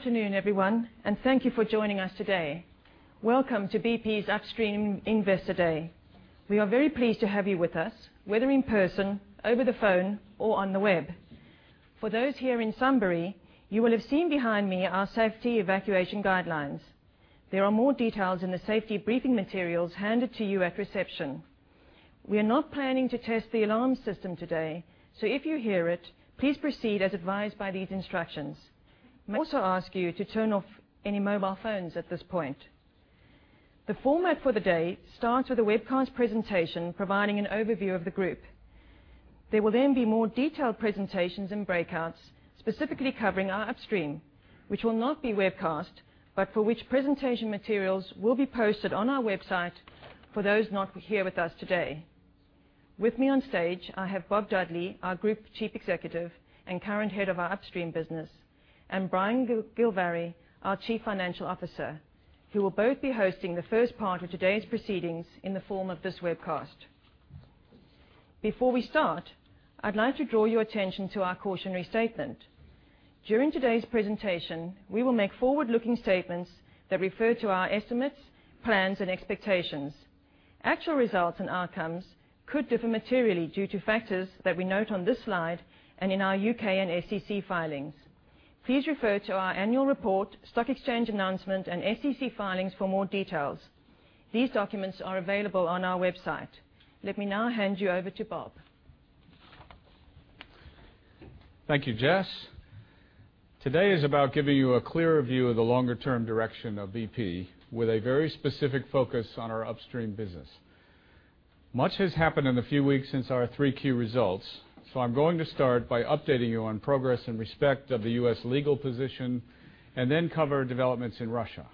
Good afternoon, everyone. Thank you for joining us today. Welcome to BP's Upstream Investor Day. We are very pleased to have you with us, whether in person, over the phone, or on the web. For those here in Sunbury, you will have seen behind me our safety evacuation guidelines. There are more details in the safety briefing materials handed to you at reception. We are not planning to test the alarm system today, so if you hear it, please proceed as advised by these instructions. We may also ask you to turn off any mobile phones at this point. The format for the day starts with a webcast presentation providing an overview of the group. There will be more detailed presentations and breakouts, specifically covering our upstream, which will not be webcast, but for which presentation materials will be posted on our website for those not here with us today. With me on stage, I have Bob Dudley, our Group Chief Executive and current head of our upstream business, and Brian Gilvary, our Chief Financial Officer, who will both be hosting the first part of today's proceedings in the form of this webcast. Before we start, I'd like to draw your attention to our cautionary statement. During today's presentation, we will make forward-looking statements that refer to our estimates, plans, and expectations. Actual results and outcomes could differ materially due to factors that we note on this slide and in our U.K. and SEC filings. Please refer to our annual report, stock exchange announcement, and SEC filings for more details. These documents are available on our website. Let me now hand you over to Bob. Thank you, Jess. Today is about giving you a clearer view of the longer-term direction of BP with a very specific focus on our upstream business. Much has happened in the few weeks since our 3Q results. I'm going to start by updating you on progress in respect of the U.S. legal position and then cover developments in Russia.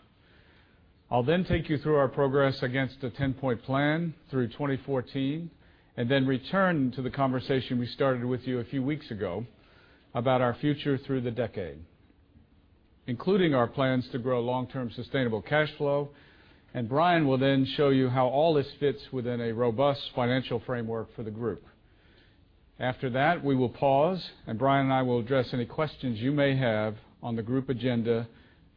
I'll then take you through our progress against the 10-point plan through 2014 and then return to the conversation we started with you a few weeks ago about our future through the decade, including our plans to grow long-term sustainable cash flow. Brian will then show you how all this fits within a robust financial framework for the group. After that, we will pause, and Brian and I will address any questions you may have on the group agenda.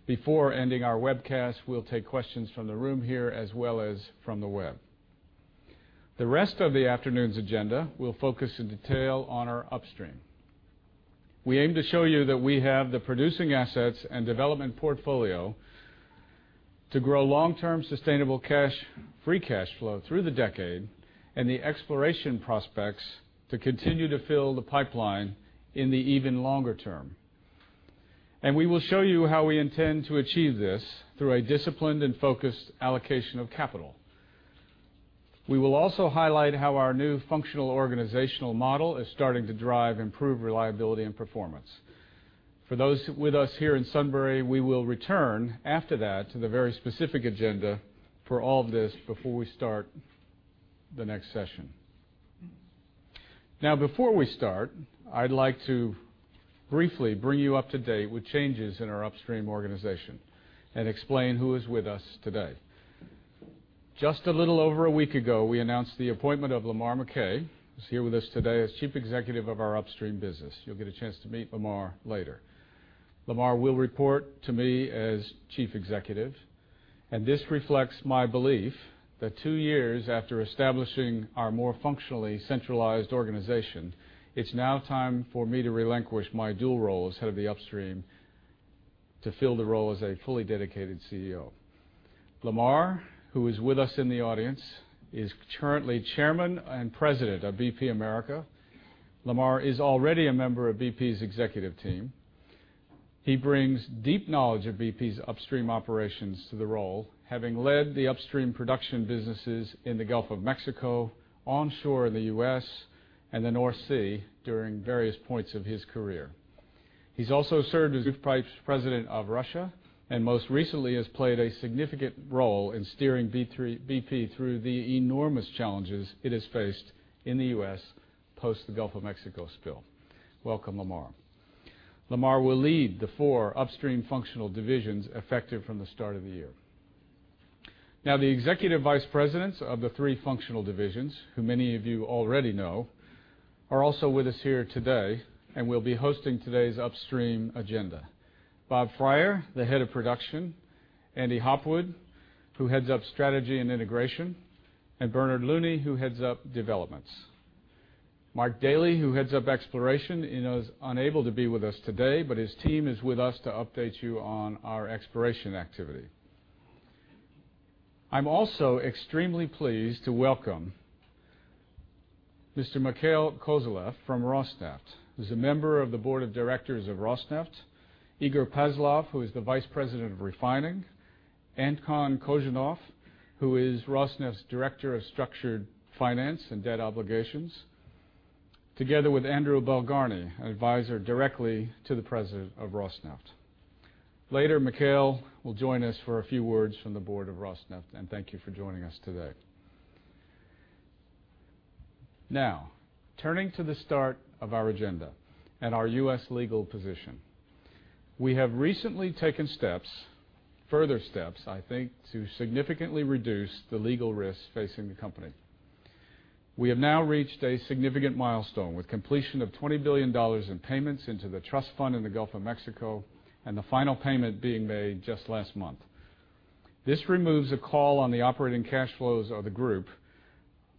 Before ending our webcast, we'll take questions from the room here as well as from the web. The rest of the afternoon's agenda will focus in detail on our upstream. We aim to show you that we have the producing assets and development portfolio to grow long-term sustainable free cash flow through the decade and the exploration prospects to continue to fill the pipeline in the even longer term. We will show you how we intend to achieve this through a disciplined and focused allocation of capital. We will also highlight how our new functional organizational model is starting to drive improved reliability and performance. For those with us here in Sunbury, we will return after that to the very specific agenda for all of this before we start the next session. Before we start, I'd like to briefly bring you up to date with changes in our upstream organization and explain who is with us today. Just a little over a week ago, we announced the appointment of Lamar McKay, who's here with us today, as chief executive of our upstream business. You'll get a chance to meet Lamar later. Lamar will report to me as chief executive, and this reflects my belief that 2 years after establishing our more functionally centralized organization, it's now time for me to relinquish my dual role as head of the upstream to fill the role as a fully dedicated CEO. Lamar, who is with us in the audience, is currently chairman and president of BP America. Lamar is already a member of BP's executive team. He brings deep knowledge of BP's upstream operations to the role, having led the upstream production businesses in the Gulf of Mexico, onshore in the U.S., and the North Sea during various points of his career. He's also served as vice president of Russia, and most recently has played a significant role in steering BP through the enormous challenges it has faced in the U.S. post the Gulf of Mexico spill. Welcome, Lamar. Lamar will lead the four upstream functional divisions effective from the start of the year. The executive vice presidents of the three functional divisions, who many of you already know, are also with us here today and will be hosting today's upstream agenda. Bob Fryar, the head of production, Andy Hopwood, who heads up strategy and integration, and Bernard Looney, who heads up developments. Mike Daly, who heads up exploration, is unable to be with us today, but his team is with us to update you on our exploration activity. I'm also extremely pleased to welcome Mr. Mikhail Kuzovlev from Rosneft, who's a member of the board of directors of Rosneft, Igor Pavlov, who is the vice president of refining, Anton Kozhinov, who is Rosneft's director of structured finance and debt obligations, together with Andrew Balgarnie, an Advisor directly to the President of Rosneft. Later, Mikhail will join us for a few words from the board of Rosneft. Thank you for joining us today. Turning to the start of our agenda and our U.S. legal position. We have recently taken steps, further steps, I think, to significantly reduce the legal risk facing the company. We have now reached a significant milestone with completion of $20 billion in payments into the trust fund in the Gulf of Mexico, and the final payment being made just last month. This removes a call on the operating cash flows of the group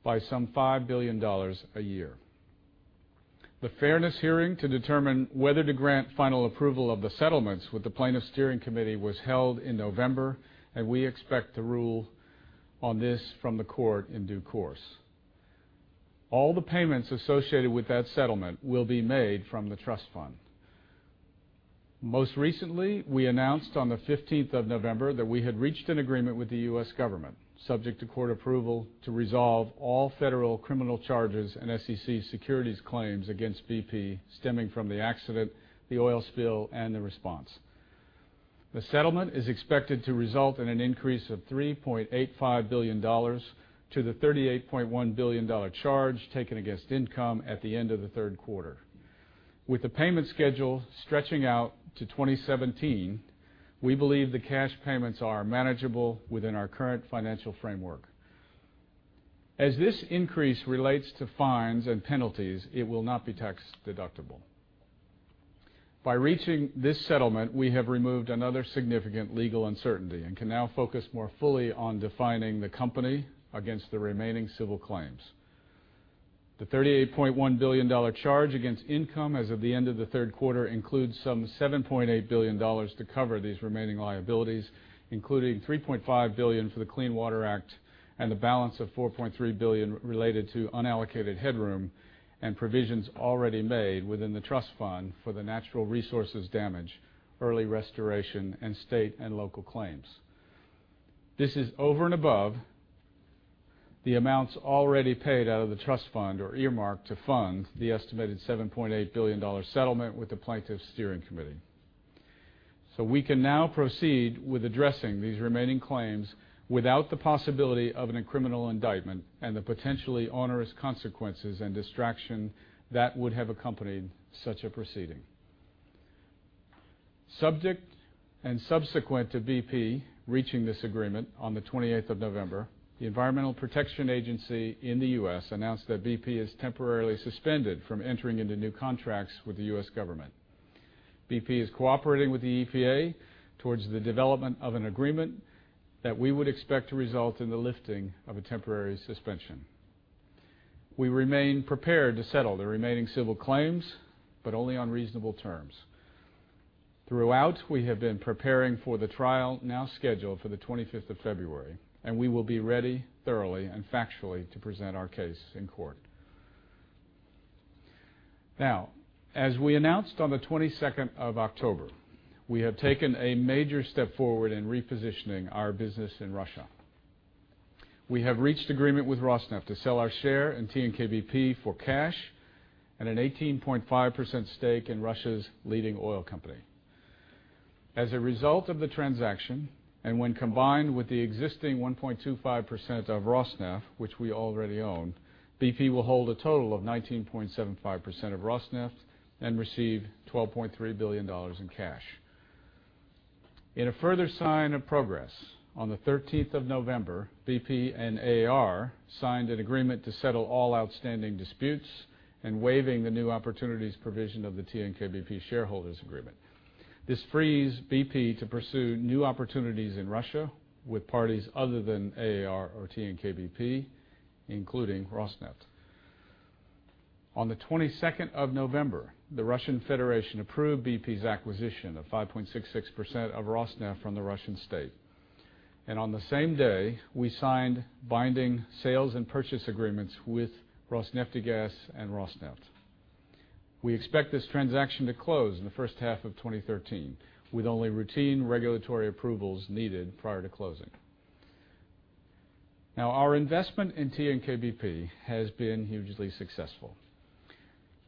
by some $5 billion a year. The fairness hearing to determine whether to grant final approval of the settlements with the Plaintiffs' Steering Committee was held in November, and we expect the rule on this from the court in due course. All the payments associated with that settlement will be made from the trust fund. Most recently, we announced on the 15th of November that we had reached an agreement with the U.S. government, subject to court approval, to resolve all federal criminal charges and SEC securities claims against BP stemming from the accident, the oil spill, and the response. The settlement is expected to result in an increase of $3.85 billion to the $38.1 billion charge taken against income at the end of the third quarter. With the payment schedule stretching out to 2017, we believe the cash payments are manageable within our current financial framework. As this increase relates to fines and penalties, it will not be tax deductible. By reaching this settlement, we have removed another significant legal uncertainty and can now focus more fully on defining the company against the remaining civil claims. The $38.1 billion charge against income as of the end of the third quarter includes some $7.8 billion to cover these remaining liabilities, including $3.5 billion for the Clean Water Act and the balance of $4.3 billion related to unallocated headroom and provisions already made within the trust fund for the natural resources damage, early restoration, and state and local claims. This is over and above the amounts already paid out of the trust fund or earmarked to fund the estimated $7.8 billion settlement with the Plaintiffs' Steering Committee. We can now proceed with addressing these remaining claims without the possibility of any criminal indictment and the potentially onerous consequences and distraction that would have accompanied such a proceeding. Subject and subsequent to BP reaching this agreement on the 28th of November, the Environmental Protection Agency in the U.S. announced that BP is temporarily suspended from entering into new contracts with the U.S. government. BP is cooperating with the EPA towards the development of an agreement that we would expect to result in the lifting of a temporary suspension. We remain prepared to settle the remaining civil claims, but only on reasonable terms. Throughout, we have been preparing for the trial now scheduled for the 25th of February, and we will be ready thoroughly and factually to present our case in court. As we announced on the 22nd of October, we have taken a major step forward in repositioning our business in Russia. We have reached agreement with Rosneft to sell our share in TNK-BP for cash and an 18.5% stake in Russia's leading oil company. As a result of the transaction, and when combined with the existing 1.25% of Rosneft, which we already own, BP will hold a total of 19.75% of Rosneft and receive $12.3 billion in cash. In a further sign of progress, on the 13th of November, BP and AAR signed an agreement to settle all outstanding disputes and waiving the new opportunities provision of the TNK-BP shareholders' agreement. This frees BP to pursue new opportunities in Russia with parties other than AAR or TNK-BP, including Rosneft. On the 22nd of November, the Russian Federation approved BP's acquisition of 5.66% of Rosneft from the Russian state. On the same day, we signed binding sales and purchase agreements with Rosneft Gas and Rosneft. We expect this transaction to close in the first half of 2013, with only routine regulatory approvals needed prior to closing. Our investment in TNK-BP has been hugely successful,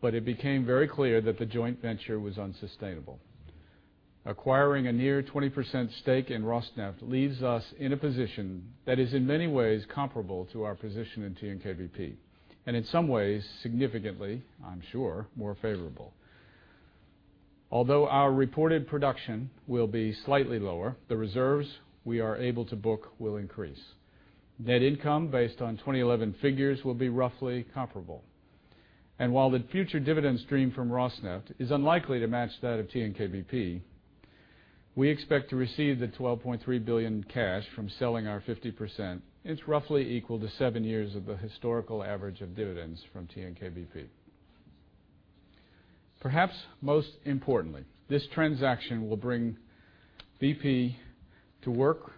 but it became very clear that the joint venture was unsustainable. Acquiring a near 20% stake in Rosneft leaves us in a position that is in many ways comparable to our position in TNK-BP, and in some ways, significantly, I'm sure, more favorable. Although our reported production will be slightly lower, the reserves we are able to book will increase. Net income based on 2011 figures will be roughly comparable. While the future dividend stream from Rosneft is unlikely to match that of TNK-BP, we expect to receive the $12.3 billion cash from selling our 50%. It is roughly equal to seven years of the historical average of dividends from TNK-BP. Perhaps most importantly, this transaction will bring BP to work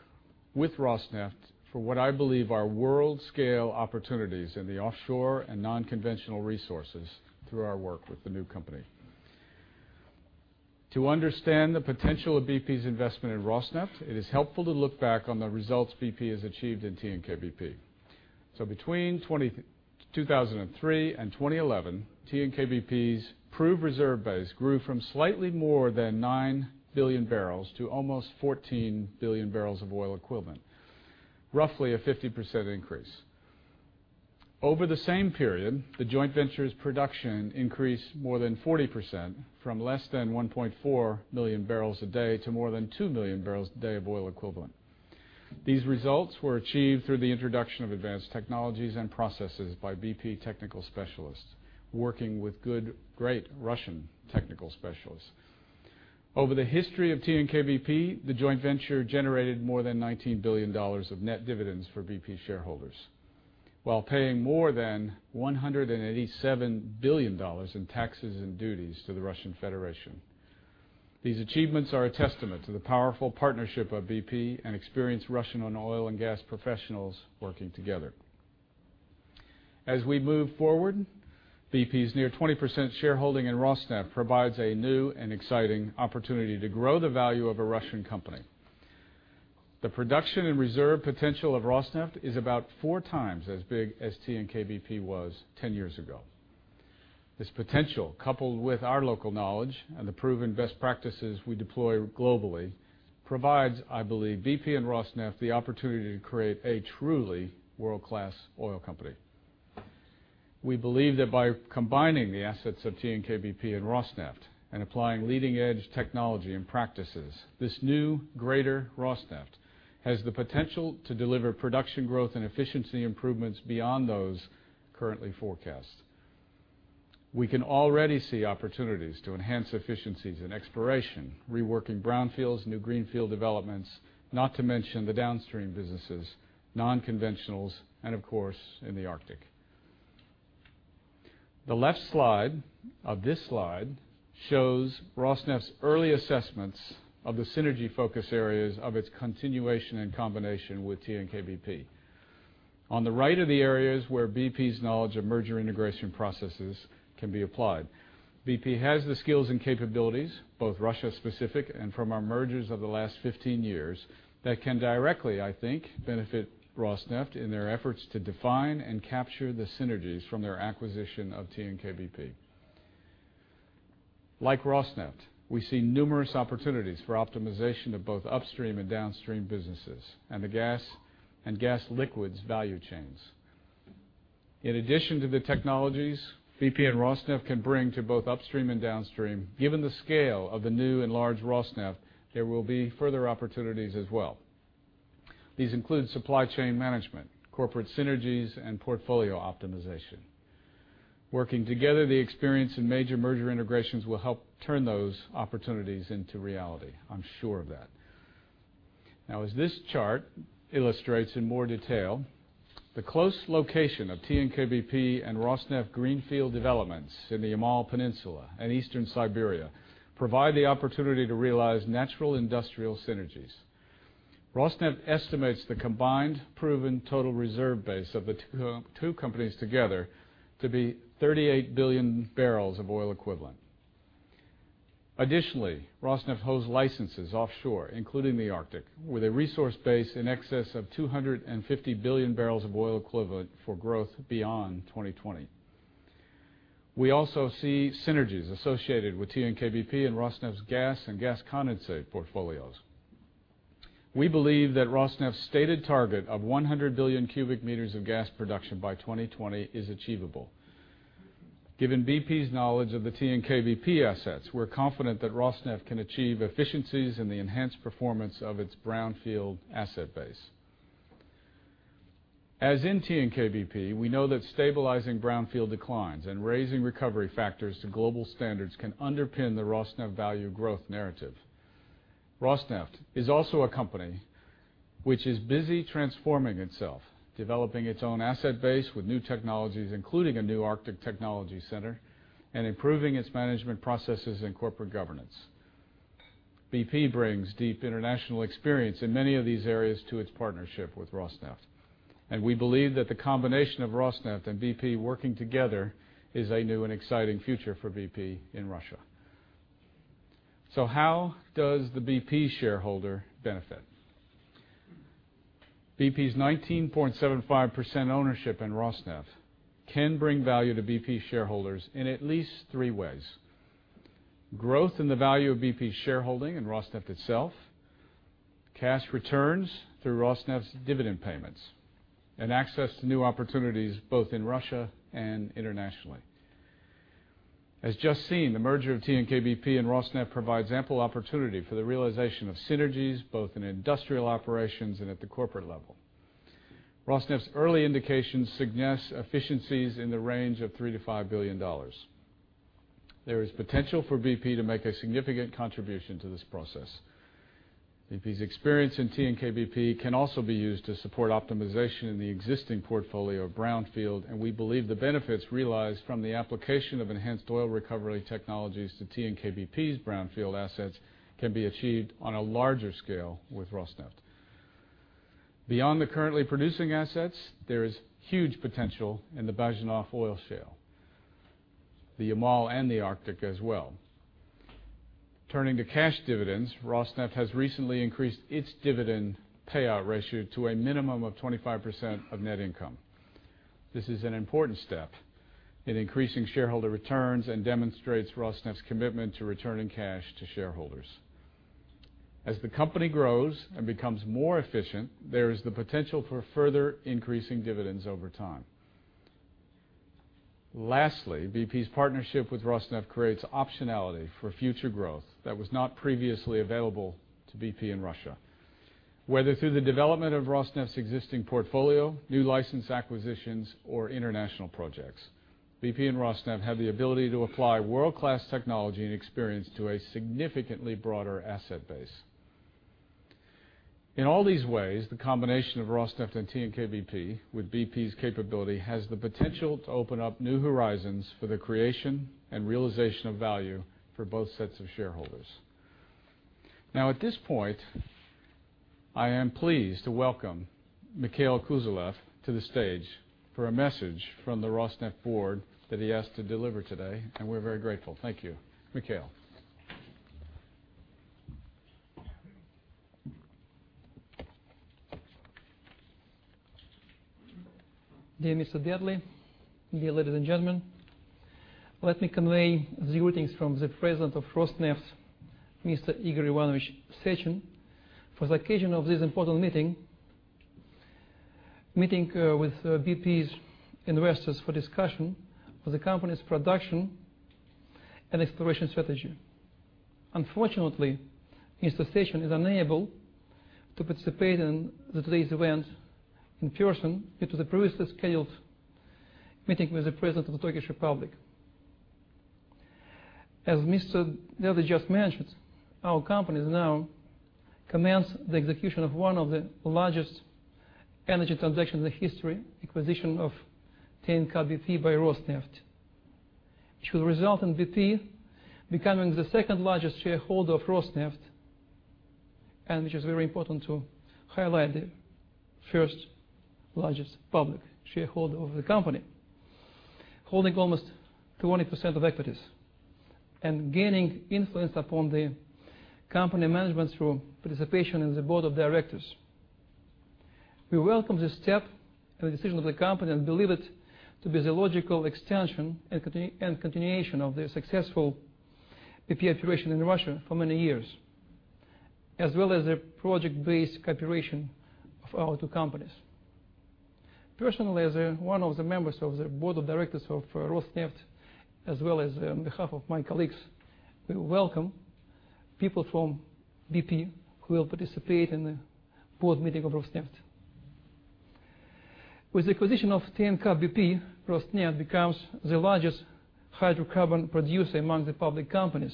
with Rosneft for what I believe are world-scale opportunities in the offshore and non-conventional resources through our work with the new company. To understand the potential of BP's investment in Rosneft, it is helpful to look back on the results BP has achieved in TNK-BP. Between 2003 and 2011, TNK-BP's proved reserve base grew from slightly more than 9 billion barrels to almost 14 billion barrels of oil equivalent, roughly a 50% increase. Over the same period, the joint venture's production increased more than 40%, from less than 1.4 million barrels a day to more than 2 million barrels a day of oil equivalent. These results were achieved through the introduction of advanced technologies and processes by BP technical specialists working with great Russian technical specialists. Over the history of TNK-BP, the joint venture generated more than $19 billion of net dividends for BP shareholders while paying more than $187 billion in taxes and duties to the Russian Federation. These achievements are a testament to the powerful partnership of BP and experienced Russian oil and gas professionals working together. We move forward, BP's near 20% shareholding in Rosneft provides a new and exciting opportunity to grow the value of a Russian company. The production and reserve potential of Rosneft is about four times as big as TNK-BP was 10 years ago. This potential, coupled with our local knowledge and the proven best practices we deploy globally, provides, I believe, BP and Rosneft the opportunity to create a truly world-class oil company. We believe that by combining the assets of TNK-BP and Rosneft and applying leading-edge technology and practices, this new greater Rosneft has the potential to deliver production growth and efficiency improvements beyond those currently forecast. We can already see opportunities to enhance efficiencies in exploration, reworking brownfields, new greenfield developments, not to mention the downstream businesses, non-conventionals, and, of course, in the Arctic. The left slide of this slide shows Rosneft's early assessments of the synergy focus areas of its continuation and combination with TNK-BP. On the right are the areas where BP's knowledge of merger integration processes can be applied. BP has the skills and capabilities, both Russia specific and from our mergers of the last 15 years, that can directly, I think, benefit Rosneft in their efforts to define and capture the synergies from their acquisition of TNK-BP. Like Rosneft, we see numerous opportunities for optimization of both upstream and downstream businesses and the gas and gas liquids value chains. In addition to the technologies BP and Rosneft can bring to both upstream and downstream, given the scale of the new and large Rosneft, there will be further opportunities as well. These include supply chain management, corporate synergies, and portfolio optimization. Working together, the experience in major merger integrations will help turn those opportunities into reality. I'm sure of that. As this chart illustrates in more detail, the close location of TNK-BP and Rosneft greenfield developments in the Yamal Peninsula and Eastern Siberia provide the opportunity to realize natural industrial synergies. Rosneft estimates the combined proven total reserve base of the two companies together to be 38 billion barrels of oil equivalent. Additionally, Rosneft holds licenses offshore, including the Arctic, with a resource base in excess of 250 billion barrels of oil equivalent for growth beyond 2020. We also see synergies associated with TNK-BP and Rosneft's gas and gas condensate portfolios. We believe that Rosneft's stated target of 100 billion cubic meters of gas production by 2020 is achievable. Given BP's knowledge of the TNK-BP assets, we're confident that Rosneft can achieve efficiencies in the enhanced performance of its brownfield asset base. As in TNK-BP, we know that stabilizing brownfield declines and raising recovery factors to global standards can underpin the Rosneft value growth narrative. Rosneft is also a company which is busy transforming itself, developing its own asset base with new technologies, including a new Arctic technology center, and improving its management processes and corporate governance. BP brings deep international experience in many of these areas to its partnership with Rosneft, and we believe that the combination of Rosneft and BP working together is a new and exciting future for BP in Russia. How does the BP shareholder benefit? BP's 19.75% ownership in Rosneft can bring value to BP shareholders in at least three ways: growth in the value of BP's shareholding in Rosneft itself, cash returns through Rosneft's dividend payments, and access to new opportunities both in Russia and internationally. As just seen, the merger of TNK-BP and Rosneft provides ample opportunity for the realization of synergies, both in industrial operations and at the corporate level. Rosneft's early indications suggest efficiencies in the range of $3 billion-$5 billion. There is potential for BP to make a significant contribution to this process. BP's experience in TNK-BP can also be used to support optimization in the existing portfolio of brownfield, and we believe the benefits realized from the application of enhanced oil recovery technologies to TNK-BP's brownfield assets can be achieved on a larger scale with Rosneft. Beyond the currently producing assets, there is huge potential in the Bazhenov Formation, the Yamal, and the Arctic as well. Turning to cash dividends, Rosneft has recently increased its dividend payout ratio to a minimum of 25% of net income. This is an important step in increasing shareholder returns and demonstrates Rosneft's commitment to returning cash to shareholders. As the company grows and becomes more efficient, there is the potential for further increasing dividends over time. Lastly, BP's partnership with Rosneft creates optionality for future growth that was not previously available to BP in Russia. Whether through the development of Rosneft's existing portfolio, new license acquisitions, or international projects, BP and Rosneft have the ability to apply world-class technology and experience to a significantly broader asset base. In all these ways, the combination of Rosneft and TNK-BP with BP's capability has the potential to open up new horizons for the creation and realization of value for both sets of shareholders. Now, at this point, I am pleased to welcome Mikhail Kuzovlev to the stage for a message from the Rosneft board that he asked to deliver today, and we're very grateful. Thank you. Mikhail? Dear Mr. Dudley, dear ladies and gentlemen, let me convey the greetings from the President of Rosneft, Mr. Igor Ivanovich Sechin, for the occasion of this important meeting with BP's investors for discussion for the company's production and exploration strategy. Unfortunately, Mr. Sechin is unable to participate in today's event in person due to the previously scheduled meeting with the President of the Turkish Republic. As Mr. Dudley just mentioned, our company now commands the execution of one of the largest energy transactions in history, acquisition of TNK-BP by Rosneft, which will result in BP becoming the second-largest shareholder of Rosneft and, which is very important to highlight, the first largest public shareholder of the company, holding almost 20% of equities and gaining influence upon the company management through participation in the board of directors. We welcome this step and the decision of the company and believe it to be the logical extension and continuation of the successful BP operation in Russia for many years, as well as the project-based cooperation of our two companies. Personally, as one of the members of the board of directors of Rosneft, as well as on behalf of my colleagues, we welcome people from BP who will participate in the board meeting of Rosneft. With the acquisition of TNK-BP, Rosneft becomes the largest hydrocarbon producer among the public companies.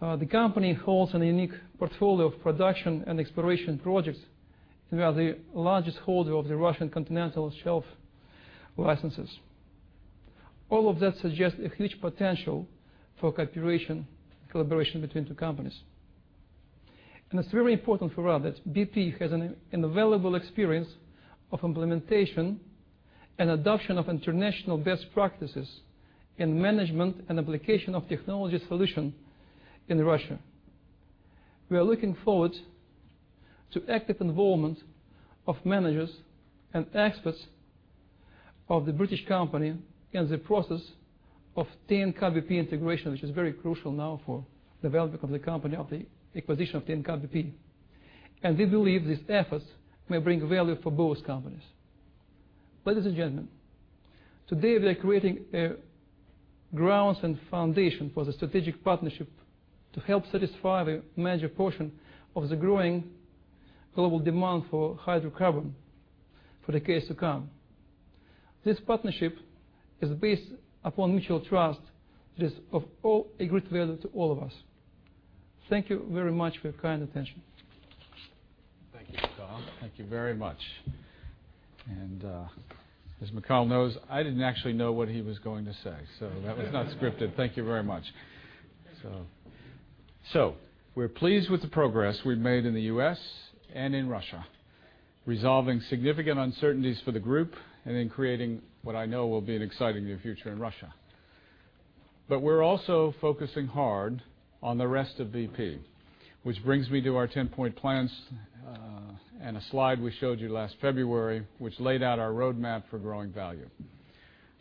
The company holds a unique portfolio of production and exploration projects and are the largest holder of the Russian continental shelf licenses. All of that suggests a huge potential for cooperation between two companies. It's very important for us that BP has an available experience of implementation and adoption of international best practices in management and application of technology solution in Russia. We are looking forward to active involvement of managers and experts of the British company in the process of TNK-BP integration, which is very crucial now for development of the company after the acquisition of TNK-BP. We believe these efforts may bring value for both companies. Ladies and gentlemen, today we are creating grounds and foundation for the strategic partnership to help satisfy the major portion of the growing global demand for hydrocarbon for decades to come. This partnership is based upon mutual trust that is of great value to all of us. Thank you very much for your kind attention. Thank you, Mikhail. Thank you very much. As Mikhail knows, I didn't actually know what he was going to say, so that was not scripted. Thank you very much. We're pleased with the progress we've made in the U.S. and in Russia, resolving significant uncertainties for the group and in creating what I know will be an exciting new future in Russia. We're also focusing hard on the rest of BP, which brings me to our 10-point plan, and a slide we showed you last February, which laid out our roadmap for growing value.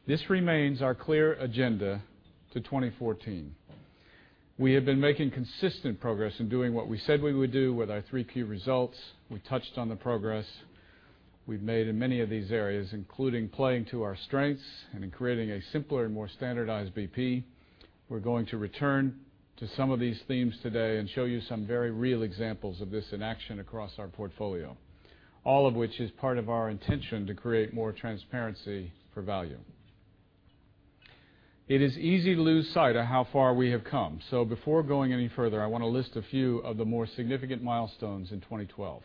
This remains our clear agenda to 2014. We have been making consistent progress in doing what we said we would do with our three key results. We touched on the progress we've made in many of these areas, including playing to our strengths and in creating a simpler and more standardized BP. We're going to return to some of these themes today and show you some very real examples of this in action across our portfolio. All of which is part of our intention to create more transparency for value. It is easy to lose sight of how far we have come. Before going any further, I want to list a few of the more significant milestones in 2012.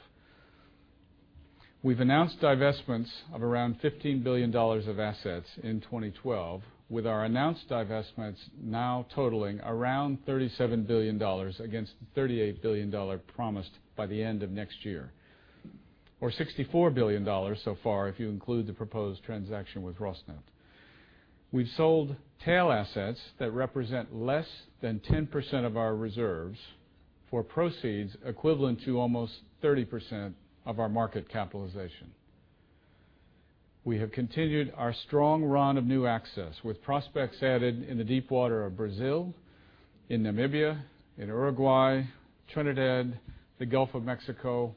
We've announced divestments of around $15 billion of assets in 2012, with our announced divestments now totaling around $37 billion against the $38 billion promised by the end of next year, or $64 billion so far if you include the proposed transaction with Rosneft. We've sold tail assets that represent less than 10% of our reserves for proceeds equivalent to almost 30% of our market capitalization. We have continued our strong run of new access with prospects added in the deep water of Brazil. In Namibia, in Uruguay, Trinidad, the Gulf of Mexico,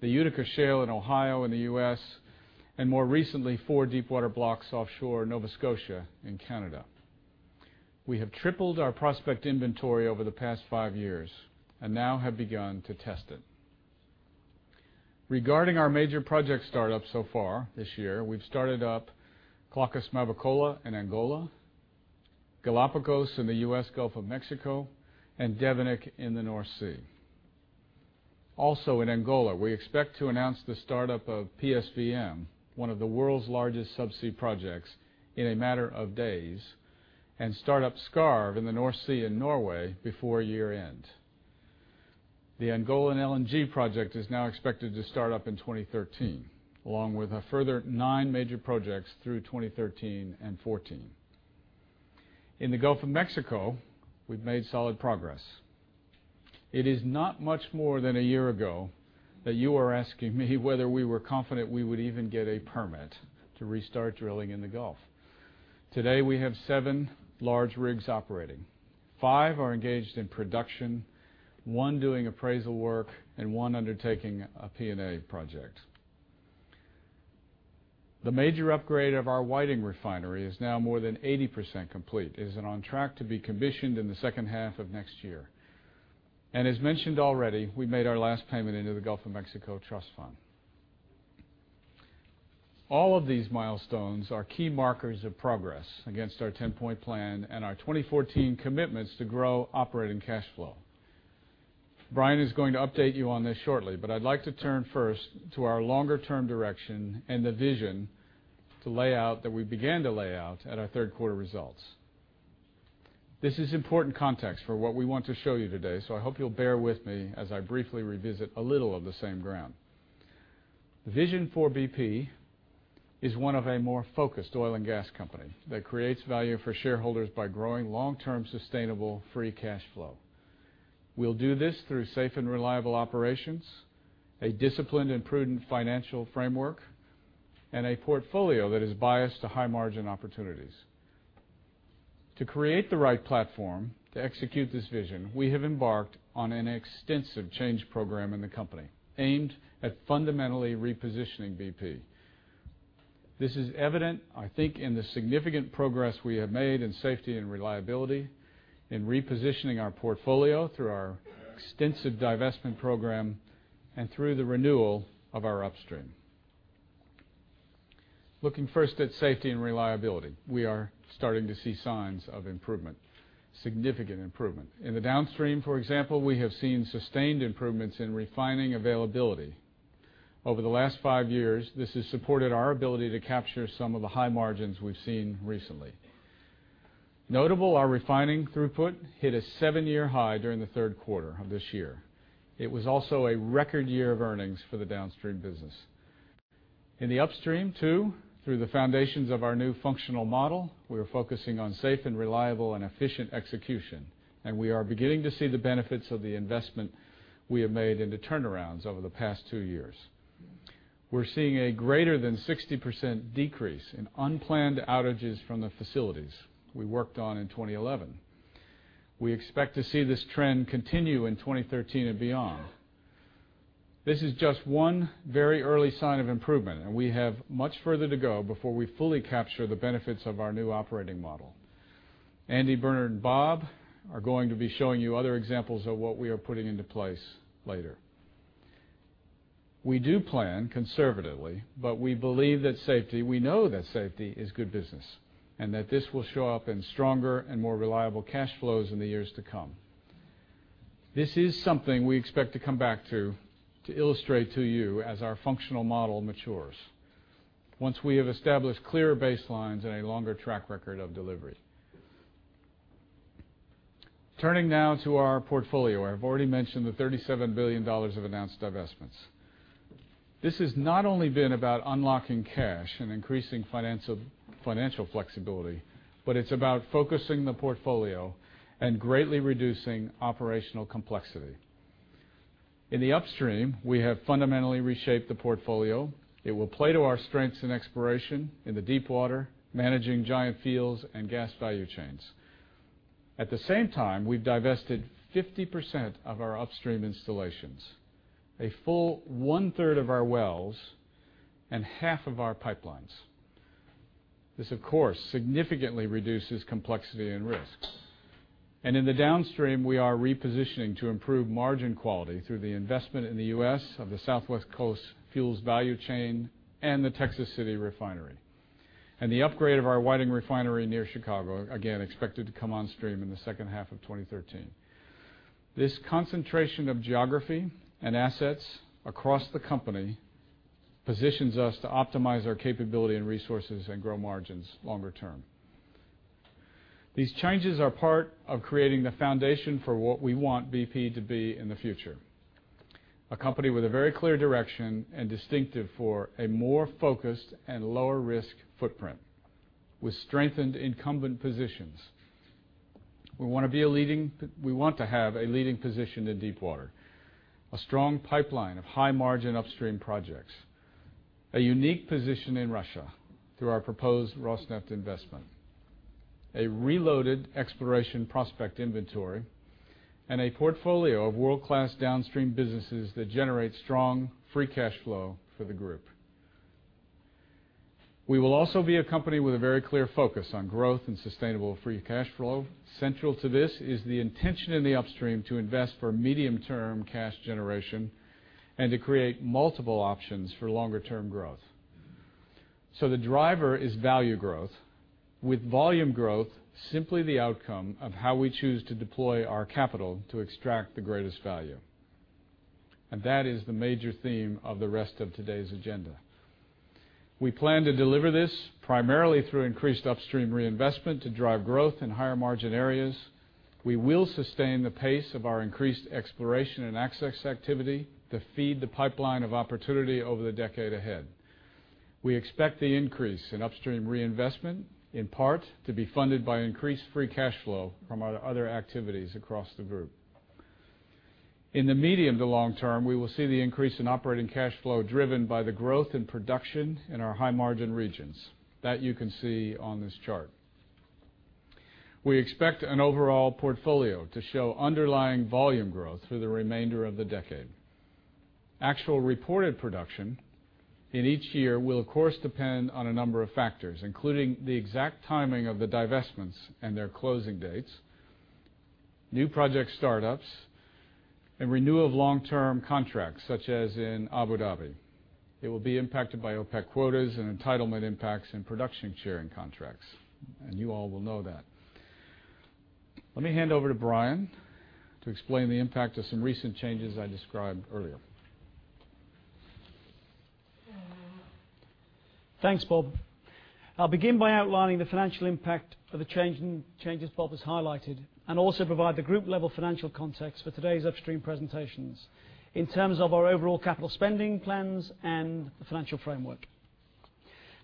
the Utica Shale in Ohio in the U.S., and more recently, four deepwater blocks offshore Nova Scotia in Canada. We have tripled our prospect inventory over the past five years and now have begun to test it. Regarding our major project startups so far this year, we've started up CLOV in Angola, Galapagos in the U.S. Gulf of Mexico, and Devenick in the North Sea. Also, in Angola, we expect to announce the start-up of PSVM, one of the world's largest subsea projects, in a matter of days, and start up Skarv in the North Sea in Norway before year-end. The Angola LNG project is now expected to start up in 2013, along with a further nine major projects through 2013 and 2014. In the Gulf of Mexico, we've made solid progress. It is not much more than a year ago that you were asking me whether we were confident we would even get a permit to restart drilling in the Gulf. Today, we have seven large rigs operating. Five are engaged in production, one doing appraisal work, and one undertaking a P&A project. The major upgrade of our Whiting Refinery is now more than 80% complete. It is on track to be commissioned in the second half of next year. As mentioned already, we made our last payment into the Gulf of Mexico Trust Fund. All of these milestones are key markers of progress against our 10-point plan and our 2014 commitments to grow operating cash flow. Brian is going to update you on this shortly, but I'd like to turn first to our longer-term direction and the vision to lay out that we began to lay out at our third-quarter results. This is important context for what we want to show you today, I hope you'll bear with me as I briefly revisit a little of the same ground. The vision for BP is one of a more focused oil and gas company that creates value for shareholders by growing long-term sustainable free cash flow. We'll do this through safe and reliable operations, a disciplined and prudent financial framework, and a portfolio that is biased to high-margin opportunities. To create the right platform to execute this vision, we have embarked on an extensive change program in the company aimed at fundamentally repositioning BP. This is evident, I think, in the significant progress we have made in safety and reliability, in repositioning our portfolio through our extensive divestment program, and through the renewal of our upstream. Looking first at safety and reliability, we are starting to see signs of improvement, significant improvement. In the downstream, for example, we have seen sustained improvements in refining availability. Over the last five years, this has supported our ability to capture some of the high margins we've seen recently. Notable, our refining throughput hit a seven-year high during the third quarter of this year. It was also a record year of earnings for the downstream business. In the upstream too, through the foundations of our new functional model, we are focusing on safe and reliable and efficient execution, and we are beginning to see the benefits of the investment we have made into turnarounds over the past two years. We're seeing a greater than 60% decrease in unplanned outages from the facilities we worked on in 2011. We expect to see this trend continue in 2013 and beyond. This is just one very early sign of improvement. We have much further to go before we fully capture the benefits of our new operating model. Andy, Bernard, and Bob are going to be showing you other examples of what we are putting into place later. We do plan conservatively. We believe that safety, we know that safety is good business, and that this will show up in stronger and more reliable cash flows in the years to come. This is something we expect to come back to illustrate to you as our functional model matures, once we have established clearer baselines and a longer track record of delivery. Turning now to our portfolio. I've already mentioned the $37 billion of announced divestments. This has not only been about unlocking cash and increasing financial flexibility, but it's about focusing the portfolio and greatly reducing operational complexity. In the upstream, we have fundamentally reshaped the portfolio. It will play to our strengths in exploration in the deepwater, managing giant fields and gas value chains. At the same time, we've divested 50% of our upstream installations, a full one-third of our wells, and half of our pipelines. This, of course, significantly reduces complexity and risk. In the downstream, we are repositioning to improve margin quality through the investment in the U.S. of the Southwest Coast fuels value chain and the Texas City Refinery. The upgrade of our Whiting Refinery near Chicago, again, expected to come on stream in the second half of 2013. This concentration of geography and assets across the company positions us to optimize our capability and resources and grow margins longer term. These changes are part of creating the foundation for what we want BP to be in the future. A company with a very clear direction and distinctive for a more focused and lower-risk footprint with strengthened incumbent positions. We want to have a leading position in deepwater, a strong pipeline of high-margin upstream projects. A unique position in Russia through our proposed Rosneft investment, a reloaded exploration prospect inventory, and a portfolio of world-class downstream businesses that generate strong free cash flow for the group. We will also be a company with a very clear focus on growth and sustainable free cash flow. Central to this is the intention in the upstream to invest for medium-term cash generation and to create multiple options for longer-term growth. The driver is value growth, with volume growth simply the outcome of how we choose to deploy our capital to extract the greatest value. That is the major theme of the rest of today's agenda. We plan to deliver this primarily through increased upstream reinvestment to drive growth in higher margin areas. We will sustain the pace of our increased exploration and access activity to feed the pipeline of opportunity over the decade ahead. We expect the increase in upstream reinvestment, in part, to be funded by increased free cash flow from our other activities across the group. In the medium to long term, we will see the increase in operating cash flow driven by the growth in production in our high-margin regions. That you can see on this chart. We expect an overall portfolio to show underlying volume growth through the remainder of the decade. Actual reported production in each year will, of course, depend on a number of factors, including the exact timing of the divestments and their closing dates, new project startups, and renewal of long-term contracts, such as in Abu Dhabi. It will be impacted by OPEC quotas and entitlement impacts and production sharing contracts. You all will know that. Let me hand over to Brian to explain the impact of some recent changes I described earlier. Thanks, Bob. I'll begin by outlining the financial impact of the changes Bob has highlighted and also provide the group-level financial context for today's upstream presentations in terms of our overall capital spending plans and the financial framework.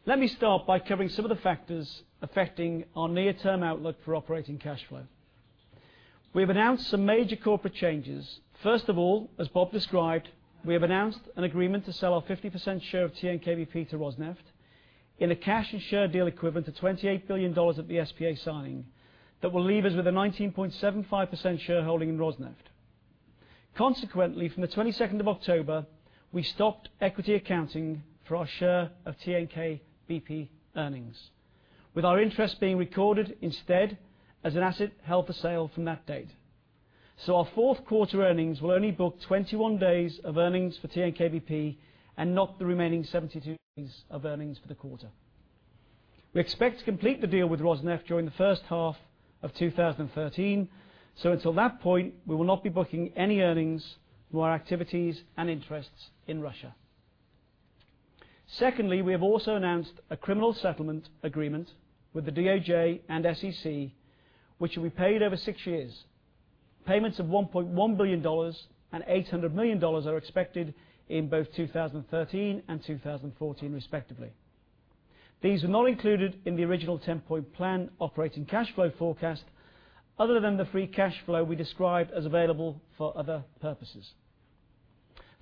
Let me start by covering some of the factors affecting our near-term outlook for operating cash flow. We have announced some major corporate changes. First of all, as Bob described, we have announced an agreement to sell our 50% share of TNK-BP to Rosneft in a cash and share deal equivalent to $28 billion at the SPA signing. That will leave us with a 19.75% shareholding in Rosneft. Consequently, from the 22nd of October, we stopped equity accounting for our share of TNK-BP earnings, with our interest being recorded instead as an asset held for sale from that date. Our fourth quarter earnings will only book 21 days of earnings for TNK-BP and not the remaining 72 days of earnings for the quarter. We expect to complete the deal with Rosneft during the first half of 2013, until that point, we will not be booking any earnings from our activities and interests in Russia. Secondly, we have also announced a criminal settlement agreement with the DOJ and SEC, which will be paid over six years. Payments of $1.1 billion and $800 million are expected in both 2013 and 2014, respectively. These are not included in the original 10-point plan operating cash flow forecast, other than the free cash flow we described as available for other purposes.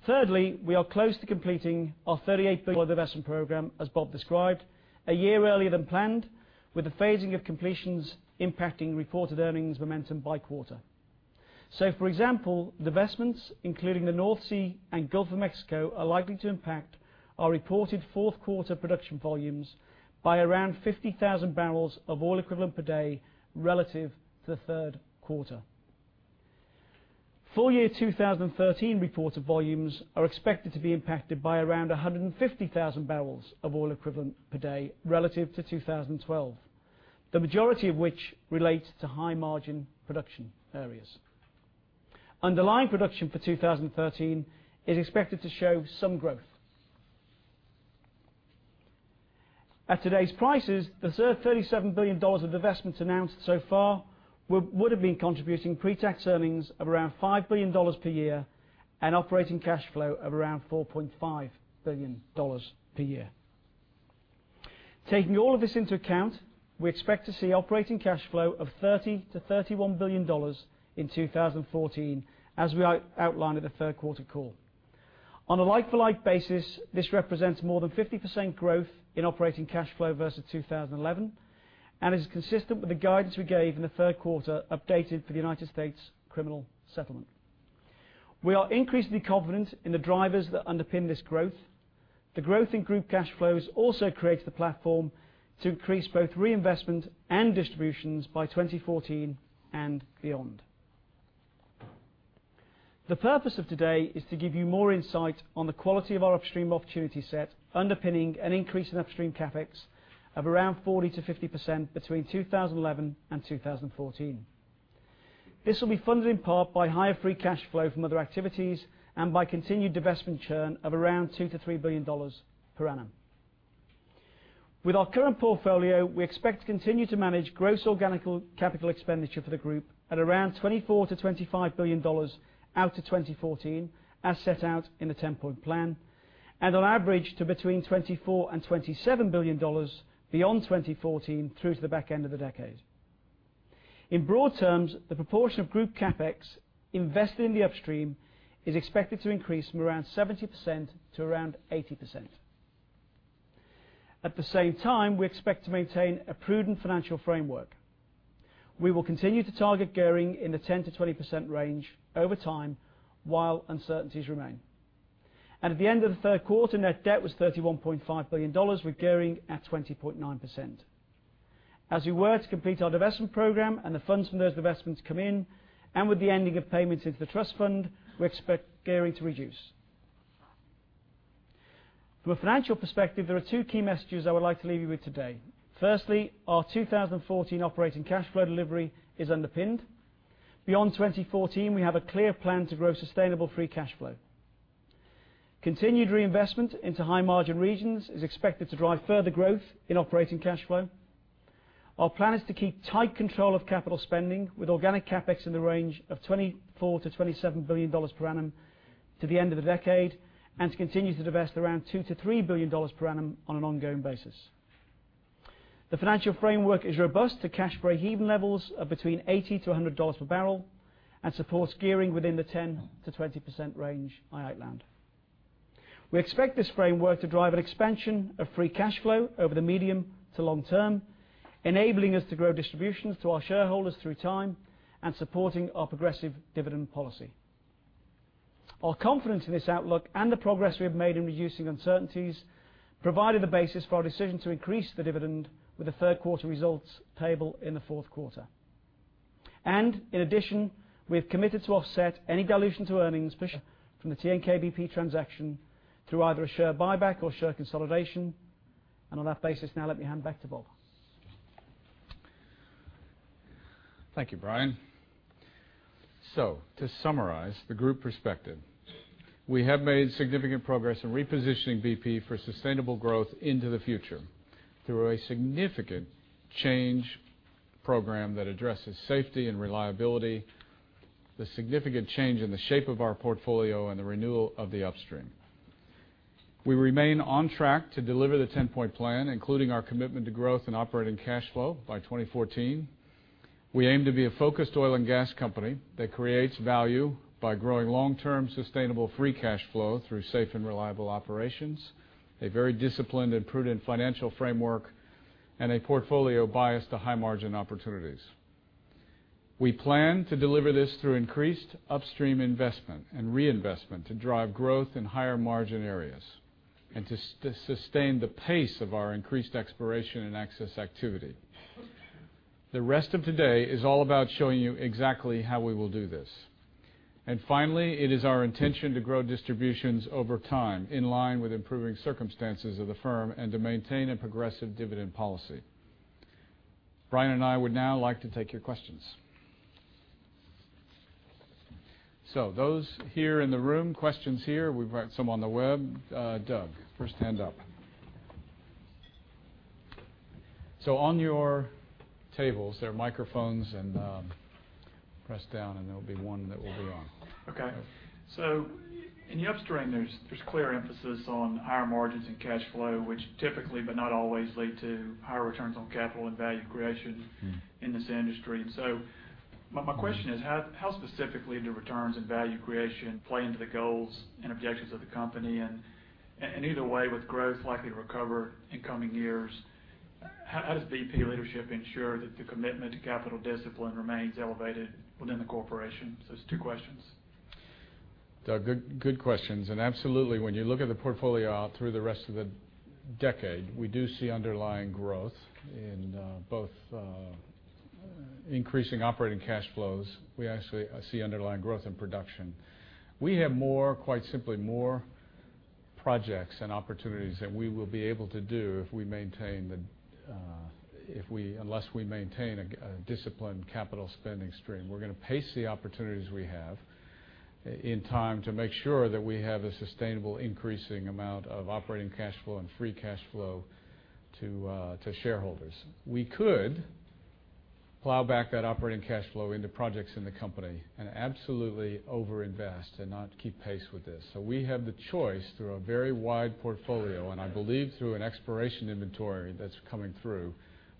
Thirdly, we are close to completing our $38 billion divestment program, as Bob described, a year earlier than planned, with the phasing of completions impacting reported earnings momentum by quarter. For example, divestments, including the North Sea and Gulf of Mexico, are likely to impact our reported fourth quarter production volumes by around 50,000 barrels of oil equivalent per day relative to the third quarter. Full year 2013 reported volumes are expected to be impacted by around 150,000 barrels of oil equivalent per day relative to 2012, the majority of which relates to high-margin production areas. Underlying production for 2013 is expected to show some growth. At today's prices, the $37 billion of divestments announced so far would have been contributing pre-tax earnings of around $5 billion per year and operating cash flow of around $4.5 billion per year. Taking all of this into account, we expect to see operating cash flow of $30 billion-$31 billion in 2014, as we outlined at the third quarter call. On a like-for-like basis, this represents more than 50% growth in operating cash flow versus 2011 and is consistent with the guidance we gave in the third quarter, updated for the United States criminal settlement. We are increasingly confident in the drivers that underpin this growth. The growth in group cash flows also creates the platform to increase both reinvestment and distributions by 2014 and beyond. The purpose of today is to give you more insight on the quality of our upstream opportunity set, underpinning an increase in upstream CapEx of around 40%-50% between 2011 and 2014. This will be funded in part by higher free cash flow from other activities and by continued divestment churn of around $2 billion-$3 billion per annum. With our current portfolio, we expect to continue to manage gross organic capital expenditure for the group at around $24 billion-$25 billion out to 2014, as set out in the 10-point plan, and on average to between $24 billion and $27 billion beyond 2014 through to the back end of the decade. In broad terms, the proportion of group CapEx invested in the upstream is expected to increase from around 70%-80%. At the same time, we expect to maintain a prudent financial framework. We will continue to target gearing in the 10%-20% range over time while uncertainties remain. At the end of the third quarter, net debt was $31.5 billion with gearing at 20.9%. As we were to complete our divestment program and the funds from those divestments come in, and with the ending of payments into the trust fund, we expect gearing to reduce. From a financial perspective, there are two key messages I would like to leave you with today. Firstly, our 2014 operating cash flow delivery is underpinned. Beyond 2014, we have a clear plan to grow sustainable free cash flow. Continued reinvestment into high-margin regions is expected to drive further growth in operating cash flow. Our plan is to keep tight control of capital spending with organic CapEx in the range of $24 billion-$27 billion per annum to the end of the decade, and to continue to divest around $2 billion-$3 billion per annum on an ongoing basis. The financial framework is robust to cash breakeven levels of between $80-$100 per barrel, and supports gearing within the 10%-20% range by then. We expect this framework to drive an expansion of free cash flow over the medium to long term, enabling us to grow distributions to our shareholders through time and supporting our progressive dividend policy. Our confidence in this outlook and the progress we have made in reducing uncertainties provided the basis for our decision to increase the dividend with the third quarter results payable in the fourth quarter. In addition, we have committed to offset any dilution to earnings from the TNK-BP transaction through either a share buyback or share consolidation. On that basis, now let me hand back to Bob. Thank you, Brian. To summarize the group perspective, we have made significant progress in repositioning BP for sustainable growth into the future through a significant change program that addresses safety and reliability, the significant change in the shape of our portfolio, and the renewal of the upstream. We remain on track to deliver the 10-point plan, including our commitment to growth and operating cash flow by 2014. We aim to be a focused oil and gas company that creates value by growing long-term sustainable free cash flow through safe and reliable operations, a very disciplined and prudent financial framework, and a portfolio biased to high-margin opportunities. We plan to deliver this through increased upstream investment and reinvestment to drive growth in higher margin areas and to sustain the pace of our increased exploration and access activity. The rest of today is all about showing you exactly how we will do this. Finally, it is our intention to grow distributions over time, in line with improving circumstances of the firm, and to maintain a progressive dividend policy. Brian and I would now like to take your questions. Those here in the room, questions here. We've got some on the web. Doug, first hand up. On your tables, there are microphones, and press down, and there'll be one that will be on. Okay. In the upstream, there's clear emphasis on higher margins and cash flow, which typically, but not always, lead to higher returns on capital and value creation in this industry. My question is, how specifically do returns and value creation play into the goals and objectives of the company? Either way, with growth likely to recover in coming years, how does BP leadership ensure that the commitment to capital discipline remains elevated within the corporation? It's two questions. Doug, good questions. Absolutely, when you look at the portfolio through the rest of the decade, we do see underlying growth in both increasing operating cash flows. We actually see underlying growth in production. We have quite simply more projects and opportunities that we will be able to do unless we maintain a disciplined capital spending stream. We're going to pace the opportunities we have in time to make sure that we have a sustainable increasing amount of operating cash flow and free cash flow to shareholders. We could plow back that operating cash flow into projects in the company and absolutely overinvest and not keep pace with this. We have the choice through a very wide portfolio, and I believe through an exploration inventory that's coming through,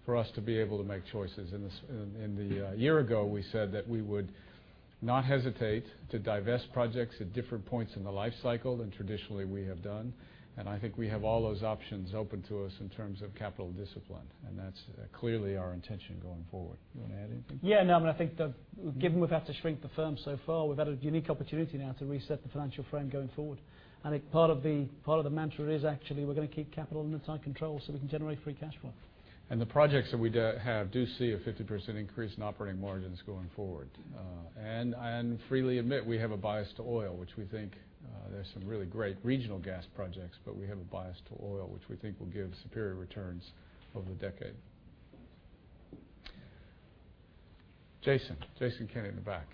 for us to be able to make choices. In the year ago, we said that we would not hesitate to divest projects at different points in the life cycle than traditionally we have done, and I think we have all those options open to us in terms of capital discipline, and that's clearly our intention going forward. You want to add anything? Yeah, no, I think that given we've had to shrink the firm so far, we've had a unique opportunity now to reset the financial frame going forward. I think part of the mantra is actually we're going to keep capital under tight control so we can generate free cash flow. The projects that we have do see a 50% increase in operating margins going forward. I freely admit we have a bias to oil, which we think there's some really great regional gas projects, but we have a bias to oil, which we think will give superior returns over the decade. Jason. Jason Kenney in the back.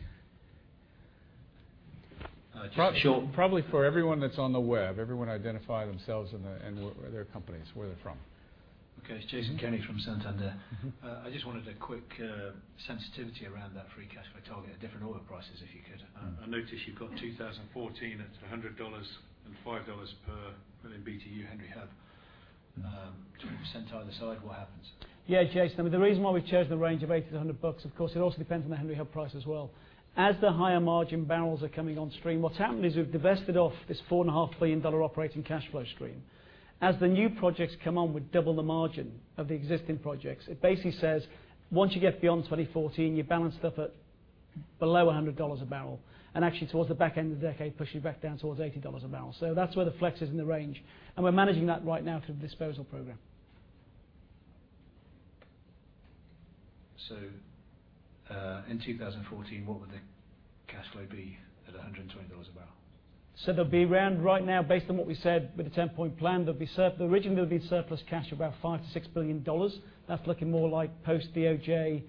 Just short- Probably for everyone that's on the web, everyone identify themselves and their companies, where they're from. Okay. It's Jason Kenney from Santander. I just wanted a quick sensitivity around that free cash flow target at different oil prices, if you could. I notice you've got 2014 at $100 and $5 per million BTU Henry Hub. 20% either side, what happens? Yeah, Jason. I mean, the reason why we've chosen the range of $80-$100, of course, it also depends on the Henry Hub price as well. As the higher margin barrels are coming on stream, what's happened is we've divested off this $4.5 billion operating cash flow stream. As the new projects come on, we double the margin of the existing projects. It basically says, once you get beyond 2014, you balance stuff at below $100 a barrel, and actually towards the back end of the decade, push you back down towards $80 a barrel. That's where the flex is in the range, and we're managing that right now through the disposal program. In 2014, what would the cash flow be at $120 a barrel? There'll be around, right now, based on what we said with the 10-point plan, originally, there would be surplus cash of about $5 billion-$6 billion. That's looking more like post DOJ,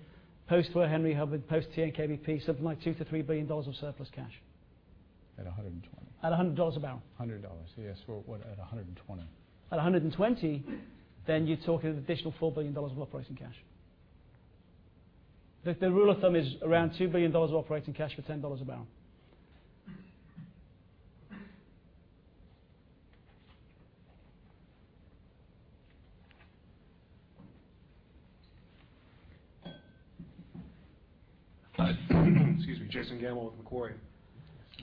post lower Henry Hub, post TNK-BP, something like $2 billion-$3 billion of surplus cash. At $120. At $100 a barrel. $100, yes. Well, what at $120? At $120, then you're talking additional $4 billion of operating cash. The rule of thumb is around $2 billion of operating cash for $10 a barrel. Excuse me. Jason Gabelman with Macquarie.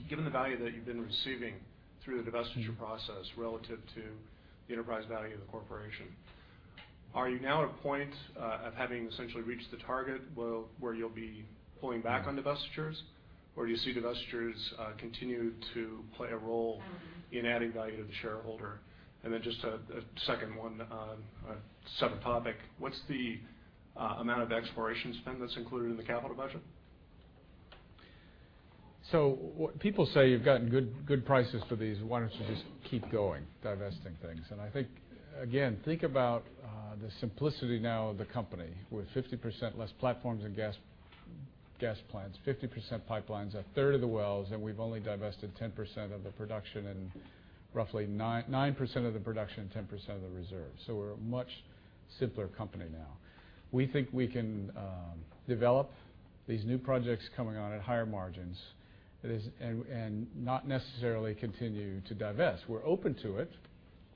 Given the value that you've been receiving through the divestiture process relative to the enterprise value of the corporation, are you now at a point of having essentially reached the target where you'll be pulling back on divestitures? Or do you see divestitures continue to play a role in adding value to the shareholder? Then just a second one on a separate topic. What's the amount of exploration spend that's included in the capital budget? People say you've gotten good prices for these. Why don't you just keep going, divesting things? I think, again, think about the simplicity now of the company, with 50% less platforms and gas plants, 50% pipelines, a third of the wells, and we've only divested 10% of the production and roughly 9% of the production and 10% of the reserves. We're a much simpler company now. We think we can develop these new projects coming on at higher margins and not necessarily continue to divest. We're open to it,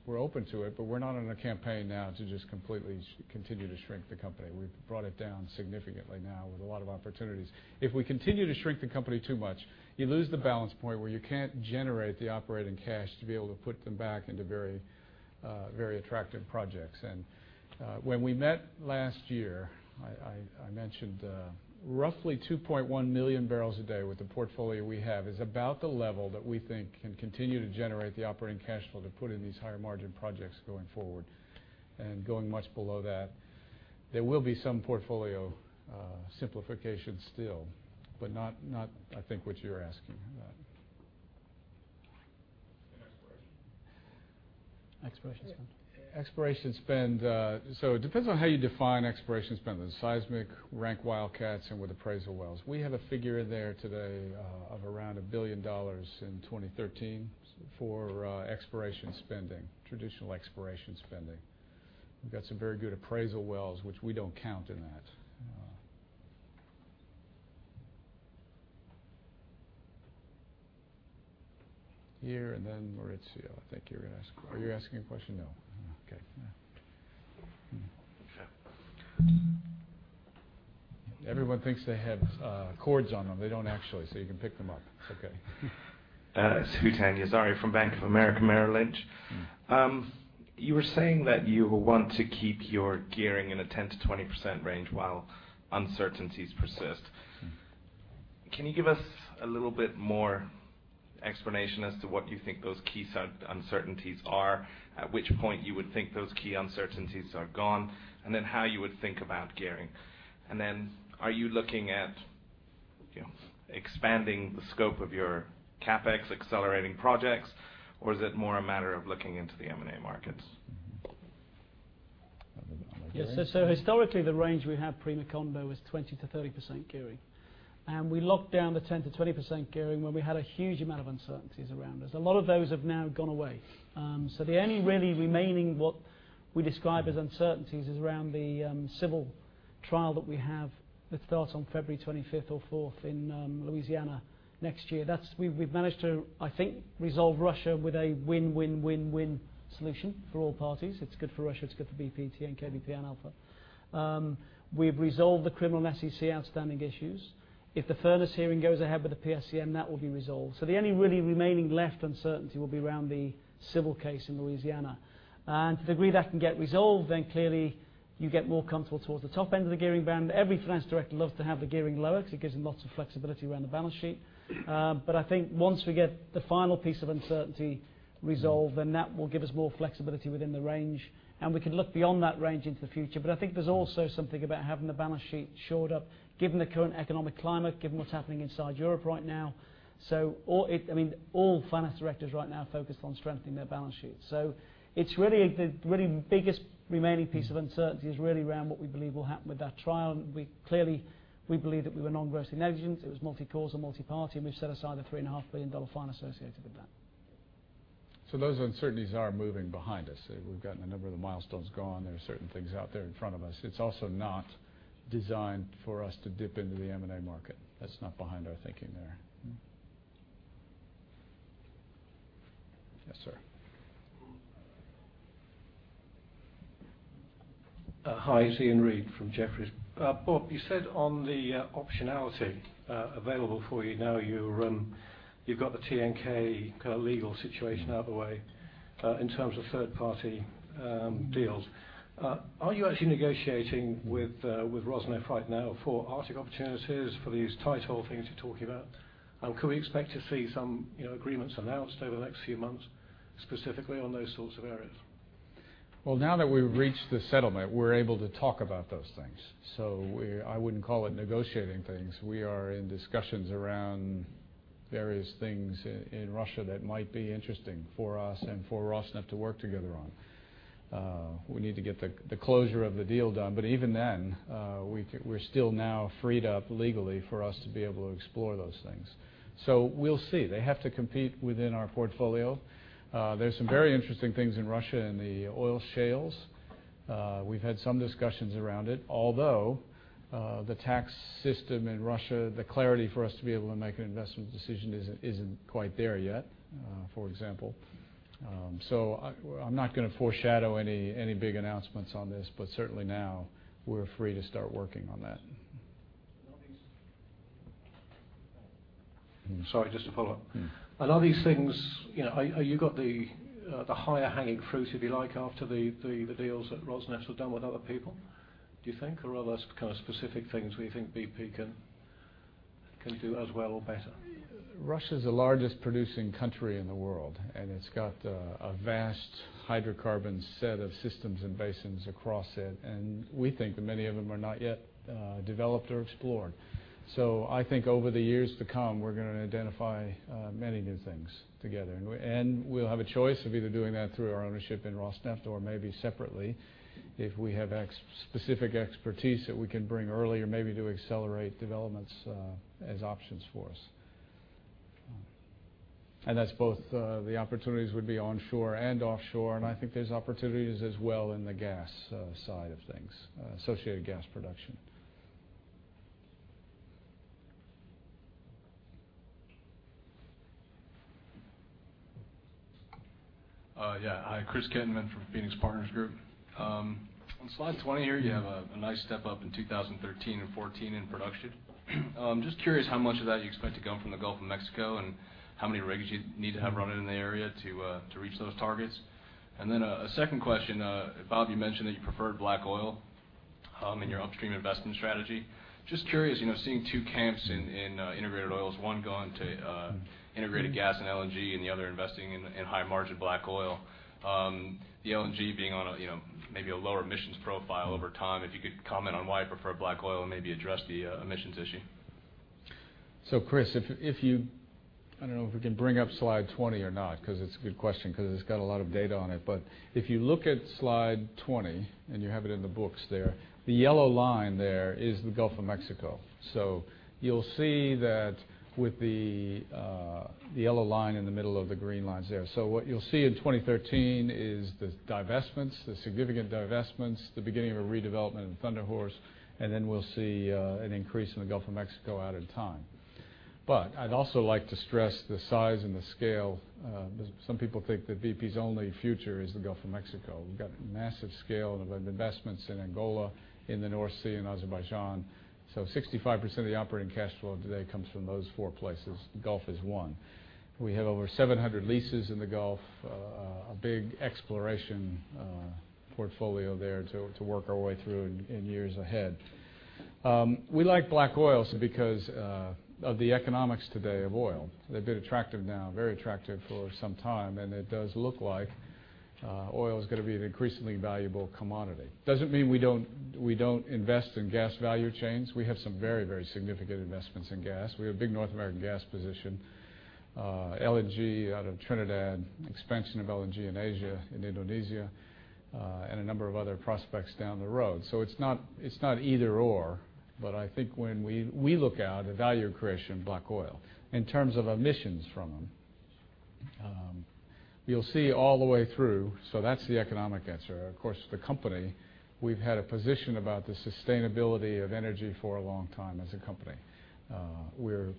but we're not on a campaign now to just completely continue to shrink the company. We've brought it down significantly now with a lot of opportunities. If we continue to shrink the company too much, you lose the balance point where you can't generate the operating cash to be able to put them back into very attractive projects. When we met last year, I mentioned roughly 2.1 million barrels a day with the portfolio we have is about the level that we think can continue to generate the operating cash flow to put in these higher margin projects going forward. Going much below that, there will be some portfolio simplification still, but not I think what you're asking about. Exploration? Exploration spend. Exploration spend. It depends on how you define exploration spend. There's seismic, rank wildcats, and with appraisal wells. We have a figure there today of around $1 billion in 2013 for exploration spending, traditional exploration spending. We've got some very good appraisal wells, which we don't count in that. Here, Maurizio, I think you were asking. Are you asking a question? No. Okay. Everyone thinks they have cords on them. They don't actually, so you can pick them up. It's okay. It's Hootan Yazhari from Bank of America Merrill Lynch. You were saying that you want to keep your gearing in a 10%-20% range while uncertainties persist. Can you give us a little bit more explanation as to what you think those key uncertainties are? At which point you would think those key uncertainties are gone, and then how you would think about gearing. Are you looking at expanding the scope of your CapEx accelerating projects, or is it more a matter of looking into the M&A markets? Yes. Historically, the range we had pre-Macondo was 20%-30% gearing. We locked down the 10%-20% gearing when we had a huge amount of uncertainties around us. A lot of those have now gone away. The only really remaining what we describe as uncertainties is around the civil trial that we have that starts on February 25th or 4th in Louisiana next year. We've managed to, I think, resolve Russia with a win-win-win-win solution for all parties. It's good for Russia. It's good for BP, TNK-BP, and Alfa. We've resolved the criminal and SEC outstanding issues. If the fairness hearing goes ahead with the PSC, that will be resolved. The only really remaining left uncertainty will be around the civil case in Louisiana. To the degree that can get resolved, clearly you get more comfortable towards the top end of the gearing band. Every finance director loves to have the gearing lower because it gives them lots of flexibility around the balance sheet. I think once we get the final piece of uncertainty resolved, that will give us more flexibility within the range, and we can look beyond that range into the future. I think there's also something about having the balance sheet shored up given the current economic climate, given what's happening inside Europe right now. I mean, all finance directors right now are focused on strengthening their balance sheets. The really biggest remaining piece of uncertainty is really around what we believe will happen with that trial. Clearly, we believe that we were non-grossly negligent. It was multi-causal, multi-party, we've set aside a $3.5 billion fine associated with that. Those uncertainties are moving behind us. We have gotten a number of the milestones gone. There are certain things out there in front of us. It is also not designed for us to dip into the M&A market. That is not behind our thinking there. Yes, sir. Hi. It is Iain Reid from Jefferies. Bob, you said on the optionality available for you now, you have got the TNK kind of legal situation out of the way, in terms of third-party deals. Are you actually negotiating with Rosneft right now for Arctic opportunities, for these tight hole things you are talking about? Could we expect to see some agreements announced over the next few months, specifically on those sorts of areas? Well, now that we have reached the settlement, we are able to talk about those things. I would not call it negotiating things. We are in discussions around various things in Russia that might be interesting for us and for Rosneft to work together on. We need to get the closure of the deal done, even then, we are still now freed up legally for us to be able to explore those things. We will see. They have to compete within our portfolio. There is some very interesting things in Russia in the oil shales. We have had some discussions around it. The tax system in Russia, the clarity for us to be able to make an investment decision is not quite there yet, for example. I am not going to foreshadow any big announcements on this, but certainly now we are free to start working on that. Sorry, just to follow up. You've got the higher hanging fruit, if you like, after the deals that Rosneft has done with other people, do you think? Or are those kind of specific things where you think BP can do as well or better? Russia's the largest producing country in the world, and it's got a vast hydrocarbon set of systems and basins across it. We think that many of them are not yet developed or explored. I think over the years to come, we're going to identify many new things together, and we'll have a choice of either doing that through our ownership in Rosneft or maybe separately if we have specific expertise that we can bring early or maybe to accelerate developments as options for us. That's both the opportunities would be onshore and offshore, and I think there's opportunities as well in the gas side of things, associated gas production. Yeah. Hi, Chris Kettenmann from Phoenix Partners Group. On slide 20 here, you have a nice step-up in 2013 and 2014 in production. Just curious how much of that you expect to come from the Gulf of Mexico, and how many rigs you need to have running in the area to reach those targets. Then a second question. Bob, you mentioned that you preferred black oil in your upstream investment strategy. Just curious, seeing two camps in integrated oils, one going to integrated gas and LNG and the other investing in high-margin black oil. The LNG being on maybe a lower emissions profile over time. If you could comment on why you prefer black oil and maybe address the emissions issue. Chris, if you I don't know if we can bring up slide 20 or not, because it's a good question, because it's got a lot of data on it. If you look at slide 20, and you have it in the books there, the yellow line there is the Gulf of Mexico. You'll see that with the yellow line in the middle of the green lines there. What you'll see in 2013 is the divestments, the significant divestments, the beginning of a redevelopment in Thunder Horse, and then we'll see an increase in the Gulf of Mexico out in time. I'd also like to stress the size and the scale. Some people think that BP's only future is the Gulf of Mexico. We've got massive scale of investments in Angola, in the North Sea, and Azerbaijan. 65% of the operating cash flow today comes from those four places. The Gulf is one. We have over 700 leases in the Gulf, a big exploration portfolio there to work our way through in years ahead. We like black oils because of the economics today of oil. They've been attractive now, very attractive for some time, and it does look like oil is going to be an increasingly valuable commodity. Doesn't mean we don't invest in gas value chains. We have some very, very significant investments in gas. We have a big North American gas position. LNG out of Trinidad, expansion of LNG in Asia, in Indonesia, and a number of other prospects down the road. It's not either/or, but I think when we look out at value creation in black oil, in terms of emissions from them, you'll see all the way through. That's the economic answer. Of course, the company, we've had a position about the sustainability of energy for a long time as a company.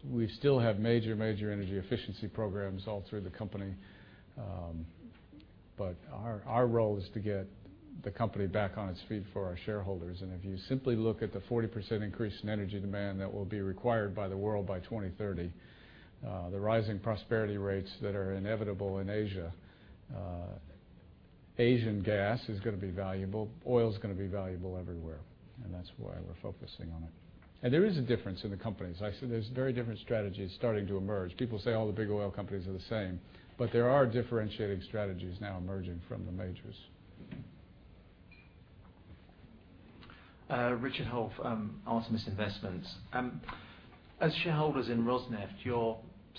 We still have major energy efficiency programs all through the company. Our role is to get the company back on its feet for our shareholders, and if you simply look at the 40% increase in energy demand that will be required by the world by 2030, the rising prosperity rates that are inevitable in Asia, Asian gas is going to be valuable. Oil is going to be valuable everywhere, and that's why we're focusing on it. There is a difference in the companies. I said there's very different strategies starting to emerge. People say all the big oil companies are the same, there are differentiating strategies now emerging from the majors. Richard Hulf, Artemis Investments. As shareholders in Rosneft, you're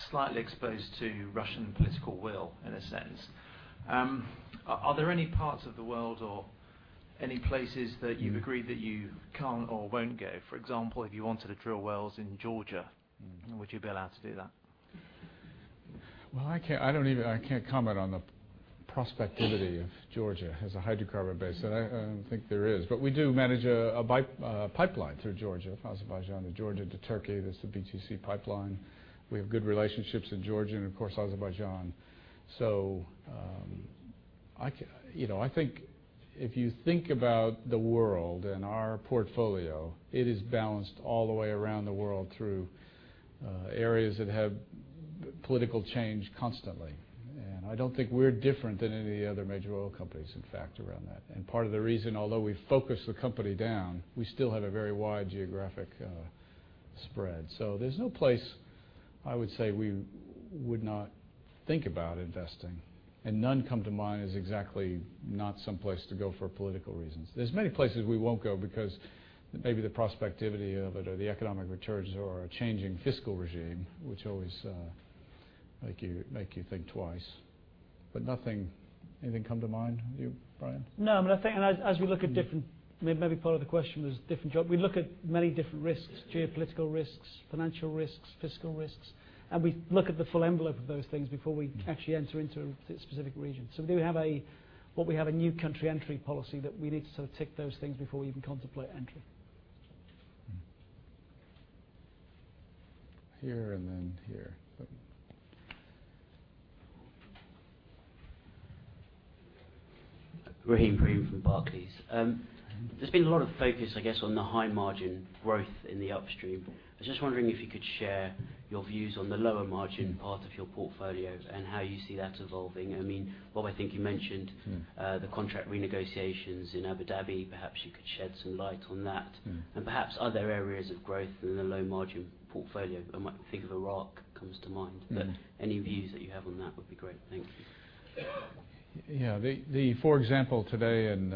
slightly exposed to Russian political will, in a sense. Are there any parts of the world or any places that you've agreed that you can't or won't go? For example, if you wanted to drill wells in Georgia, would you be allowed to do that? I can't comment on the prospectivity of Georgia as a hydrocarbon base that I don't think there is. We do manage a pipeline through Georgia from Azerbaijan to Georgia to Turkey. That's the Baku-Tbilisi-Ceyhan pipeline. We have good relationships in Georgia and of course, Azerbaijan. I think if you think about the world and our portfolio, it is balanced all the way around the world through areas that have political change constantly. I don't think we're different than any of the other major oil companies, in fact, around that. Part of the reason, although we focus the company down, we still have a very wide geographic spread. There's no place I would say we would not think about investing, and none come to mind as exactly not someplace to go for political reasons. There's many places we won't go because maybe the prospectivity of it or the economic returns or a changing fiscal regime, which always make you think twice. Anything come to mind you, Brian? No, I mean, I think, as we look at different—maybe part of the question was different job. We look at many different risks, geopolitical risks, financial risks, fiscal risks, and we look at the full envelope of those things before we actually enter into a specific region. We do have a new country entry policy that we need to sort of tick those things before we even contemplate entry. Here and then here. Raheem Prem from Barclays. There's been a lot of focus, I guess, on the high margin growth in the upstream. I was just wondering if you could share your views on the lower margin part of your portfolio and how you see that evolving. I mean, Bob, I think you mentioned the contract renegotiations in Abu Dhabi. Perhaps you could shed some light on that, and perhaps other areas of growth in the low margin portfolio. I might think of Iraq comes to mind. Any views that you have on that would be great. Thank you. Yeah. For example, today in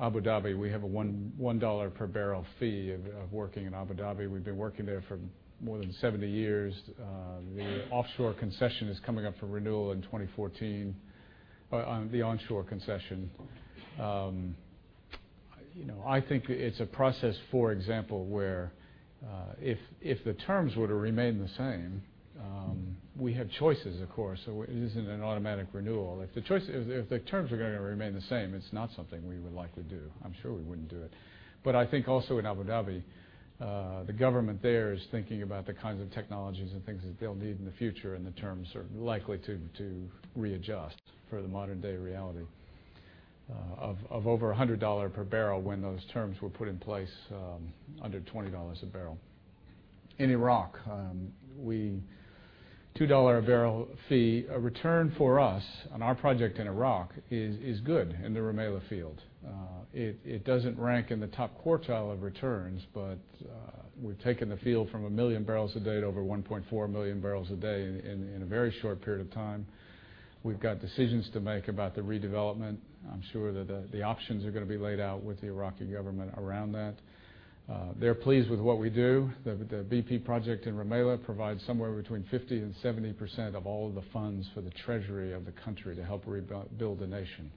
Abu Dhabi, we have a $1 per barrel fee of working in Abu Dhabi. We've been working there for more than 70 years. The offshore concession is coming up for renewal in 2014. The onshore concession. I think it's a process, for example, where if the terms were to remain the same, we have choices, of course, so it isn't an automatic renewal. If the terms are going to remain the same, it's not something we would likely do. I'm sure we wouldn't do it. I think also in Abu Dhabi, the government there is thinking about the kinds of technologies and things that they'll need in the future, and the terms are likely to readjust for the modern-day reality of over $100 per barrel when those terms were put in place under $20 a barrel. In Iraq, we have a $2 a barrel fee, a return for us on our project in Iraq is good in the Rumaila field. It doesn't rank in the top quartile of returns, but we've taken the field from a million barrels a day to over 1.4 million barrels a day in a very short period of time. We've got decisions to make about the redevelopment. I'm sure that the options are going to be laid out with the Iraqi government around that. They're pleased with what we do. The BP project in Rumaila provides somewhere between 50% and 70% of all the funds for the treasury of the country to help rebuild the nation.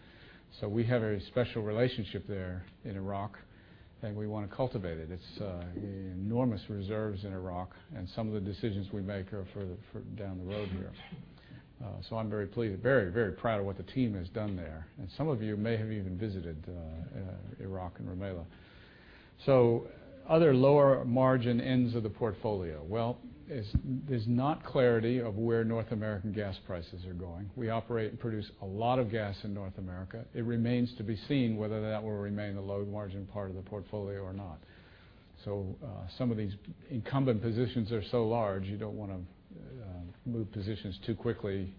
We have a special relationship there in Iraq, and we want to cultivate it. It's enormous reserves in Iraq, and some of the decisions we make are further down the road here. I'm very pleased. Very, very proud of what the team has done there. Some of you may have even visited Iraq and Rumaila. Other lower margin ends of the portfolio. Well, there's not clarity of where North American gas prices are going. We operate and produce a lot of gas in North America. It remains to be seen whether that will remain a low margin part of the portfolio or not. Some of these incumbent positions are so large you don't want to move positions too quickly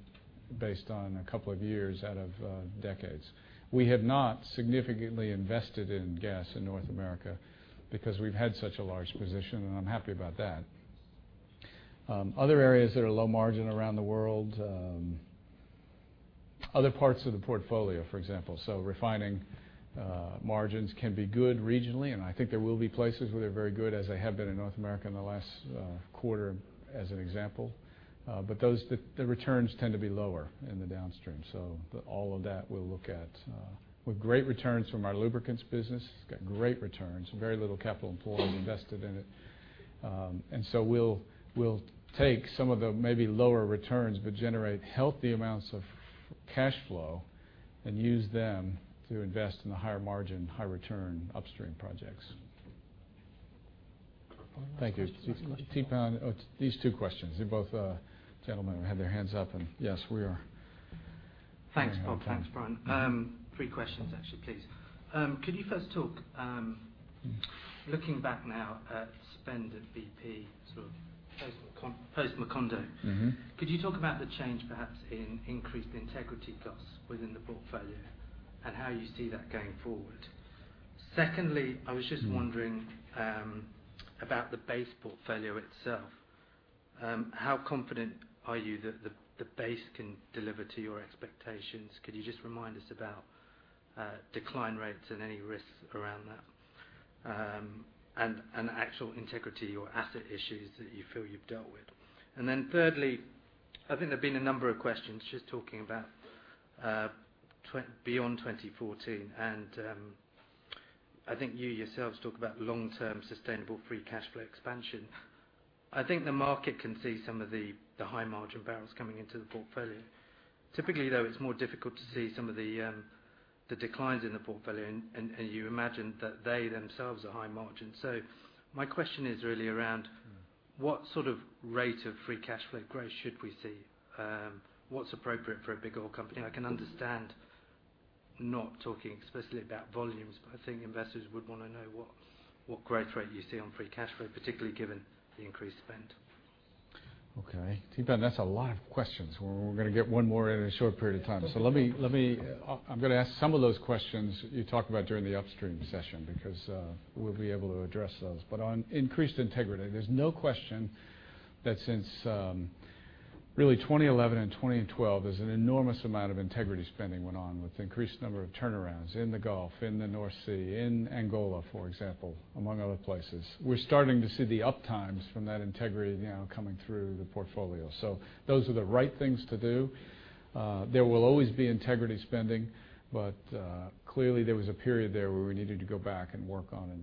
based on a couple of years out of decades. We have not significantly invested in gas in North America because we've had such a large position, and I'm happy about that. Other areas that are low margin around the world, other parts of the portfolio, for example. Refining margins can be good regionally, and I think there will be places where they're very good, as they have been in North America in the last quarter as an example. The returns tend to be lower in the downstream. All of that we'll look at. With great returns from our lubricants business, it's got great returns. Very little capital employed invested in it. We'll take some of the maybe lower returns but generate healthy amounts of cash flow and use them to invest in the higher margin, high return upstream projects. One last question. Thank you. Keep on. These two questions. They both gentlemen had their hands up. Yes, we are. Thanks, Bob. Thanks, Brian. Three questions, actually, please. Could you first talk, looking back now at spend at BP, sort of post-Macondo. Could you talk about the change perhaps in increased integrity costs within the portfolio and how you see that going forward? Secondly, I was just wondering about the base portfolio itself. How confident are you that the base can deliver to your expectations? Could you just remind us about decline rates and any risks around that, and actual integrity or asset issues that you feel you've dealt with? Thirdly, I think there have been a number of questions just talking about beyond 2014, and I think you yourselves talk about long-term sustainable free cash flow expansion. I think the market can see some of the high-margin barrels coming into the portfolio. Typically, though, it's more difficult to see some of the declines in the portfolio, and you imagine that they themselves are high margin. My question is really around what sort of rate of free cash flow growth should we see? What's appropriate for a big oil company? I can understand not talking explicitly about volumes, but I think investors would want to know what growth rate you see on free cash flow, particularly given the increased spend. Okay. Tufan, that's a lot of questions. We're going to get one more in in a short period of time. Let me ask some of those questions you talked about during the upstream session because we'll be able to address those. On increased integrity, there's no question that since really 2011 and 2012, there's an enormous amount of integrity spending went on with increased number of turnarounds in the Gulf, in the North Sea, in Angola, for example, among other places. We're starting to see the up times from that integrity now coming through the portfolio. Those are the right things to do. There will always be integrity spending, but clearly there was a period there where we needed to go back and work on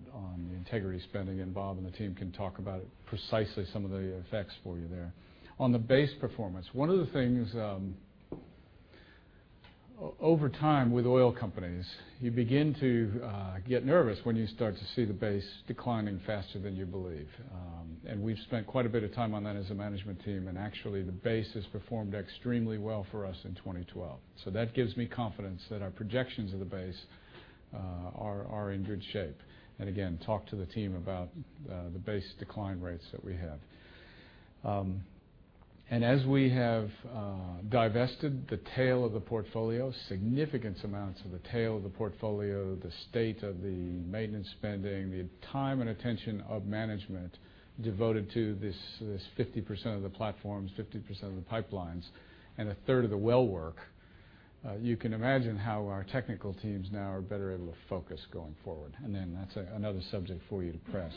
the integrity spending, and Bob and the team can talk about precisely some of the effects for you there. On the base performance, one of the things over time with oil companies, you begin to get nervous when you start to see the base declining faster than you believe. We've spent quite a bit of time on that as a management team, and actually, the base has performed extremely well for us in 2012. That gives me confidence that our projections of the base are in good shape. Again, talk to the team about the base decline rates that we have. As we have divested the tail of the portfolio, significant amounts of the tail of the portfolio, the state of the maintenance spending, the time and attention of management devoted to this 50% of the platforms, 50% of the pipelines, and a third of the well work, you can imagine how our technical teams now are better able to focus going forward. That's another subject for you to press.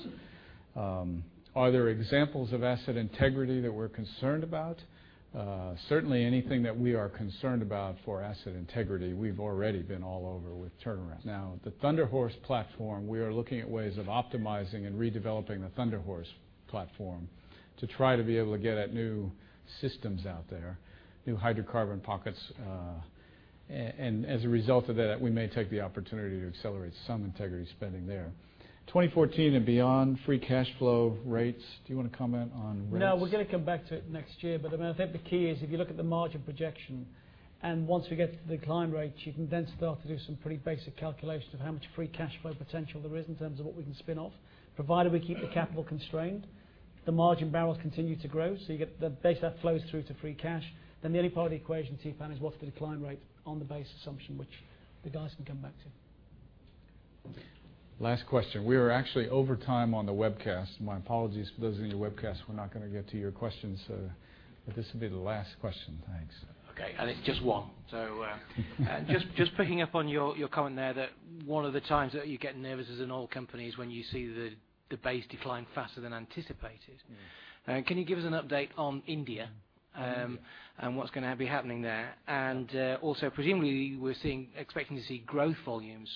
Are there examples of asset integrity that we're concerned about? Certainly, anything that we are concerned about for asset integrity, we've already been all over with turnarounds. Now, the Thunder Horse platform, we are looking at ways of optimizing and redeveloping the Thunder Horse platform to try to be able to get at new systems out there, new hydrocarbon pockets. As a result of that, we may take the opportunity to accelerate some integrity spending there. 2014 and beyond, free cash flow rates. Do you want to comment on rates? We're going to come back to it next year. I think the key is if you look at the margin projection, and once we get to the decline rates, you can then start to do some pretty basic calculations of how much free cash flow potential there is in terms of what we can spin-off. Provided we keep the capital constrained, the margin barrels continue to grow, so you get the base that flows through to free cash. The only part of the equation, Tufan, is what's the decline rate on the base assumption, which the guys can come back to. Last question. We are actually over time on the webcast. My apologies for those of you in the webcast, we're not going to get to your questions. This will be the last question. Thanks. It's just one. Just picking up on your comment there that one of the times that you get nervous as an oil company is when you see the base decline faster than anticipated. Yes. Can you give us an update on India- India What's going to be happening there? Also, presumably, we're expecting to see growth volumes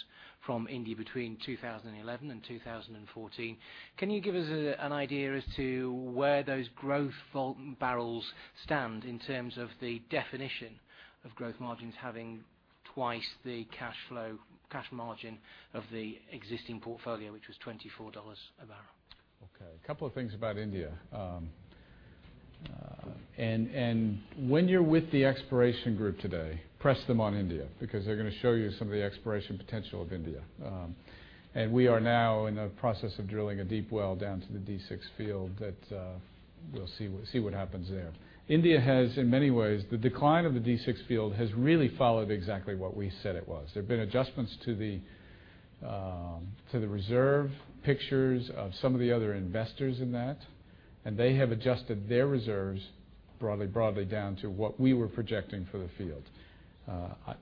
from India between 2011 and 2014. Can you give us an idea as to where those growth barrels stand in terms of the definition of growth margins having twice the cash margin of the existing portfolio, which was $24 a barrel? Okay. A couple of things about India. When you're with the exploration group today, press them on India, because they're going to show you some of the exploration potential of India. We are now in the process of drilling a deep well down to the KG-D6 block that we'll see what happens there. India has, in many ways, the decline of the KG-D6 block has really followed exactly what we said it was. There've been adjustments to the reserve pictures of some of the other investors in that, and they have adjusted their reserves broadly down to what we were projecting for the field.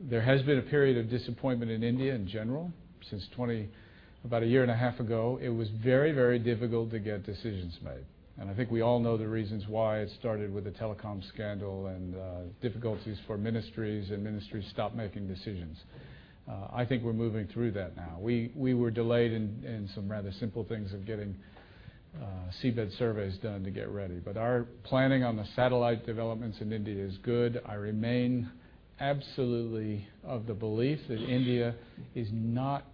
There has been a period of disappointment in India in general since about a year and a half ago. It was very difficult to get decisions made. I think we all know the reasons why it started with the telecom scandal and difficulties for ministries, and ministries stopped making decisions. I think we're moving through that now. We were delayed in some rather simple things of getting seabed surveys done to get ready. Our planning on the satellite developments in India is good. I remain absolutely of the belief that India is not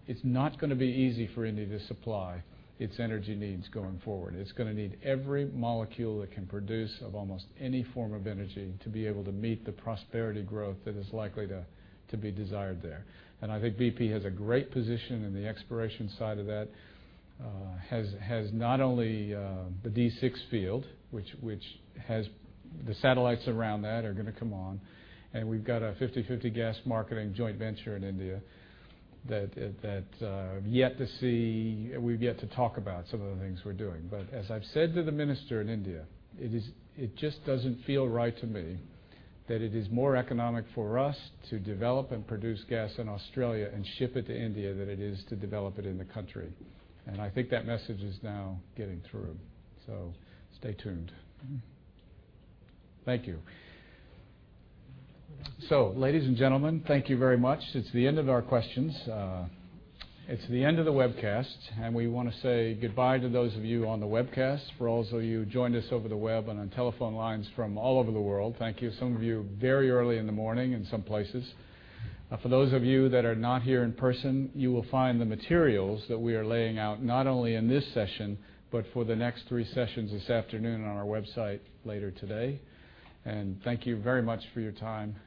going to be easy for India to supply its energy needs going forward. It's going to need every molecule it can produce of almost any form of energy to be able to meet the prosperity growth that is likely to be desired there. I think BP has a great position in the exploration side of that. Has not only the KG-D6 block, which the satellites around that are going to come on, and we've got a 50/50 gas marketing joint venture in India that we've yet to talk about some of the things we're doing. As I've said to the minister in India, it just doesn't feel right to me that it is more economic for us to develop and produce gas in Australia and ship it to India than it is to develop it in the country. I think that message is now getting through. Stay tuned. Thank you. Ladies and gentlemen, thank you very much. It's the end of our questions. It's the end of the webcast, and we want to say goodbye to those of you on the webcast. For all of you who joined us over the web and on telephone lines from all over the world, thank you. Some of you very early in the morning in some places. For those of you that are not here in person, you will find the materials that we are laying out, not only in this session, but for the next three sessions this afternoon on our website later today. Thank you very much for your time.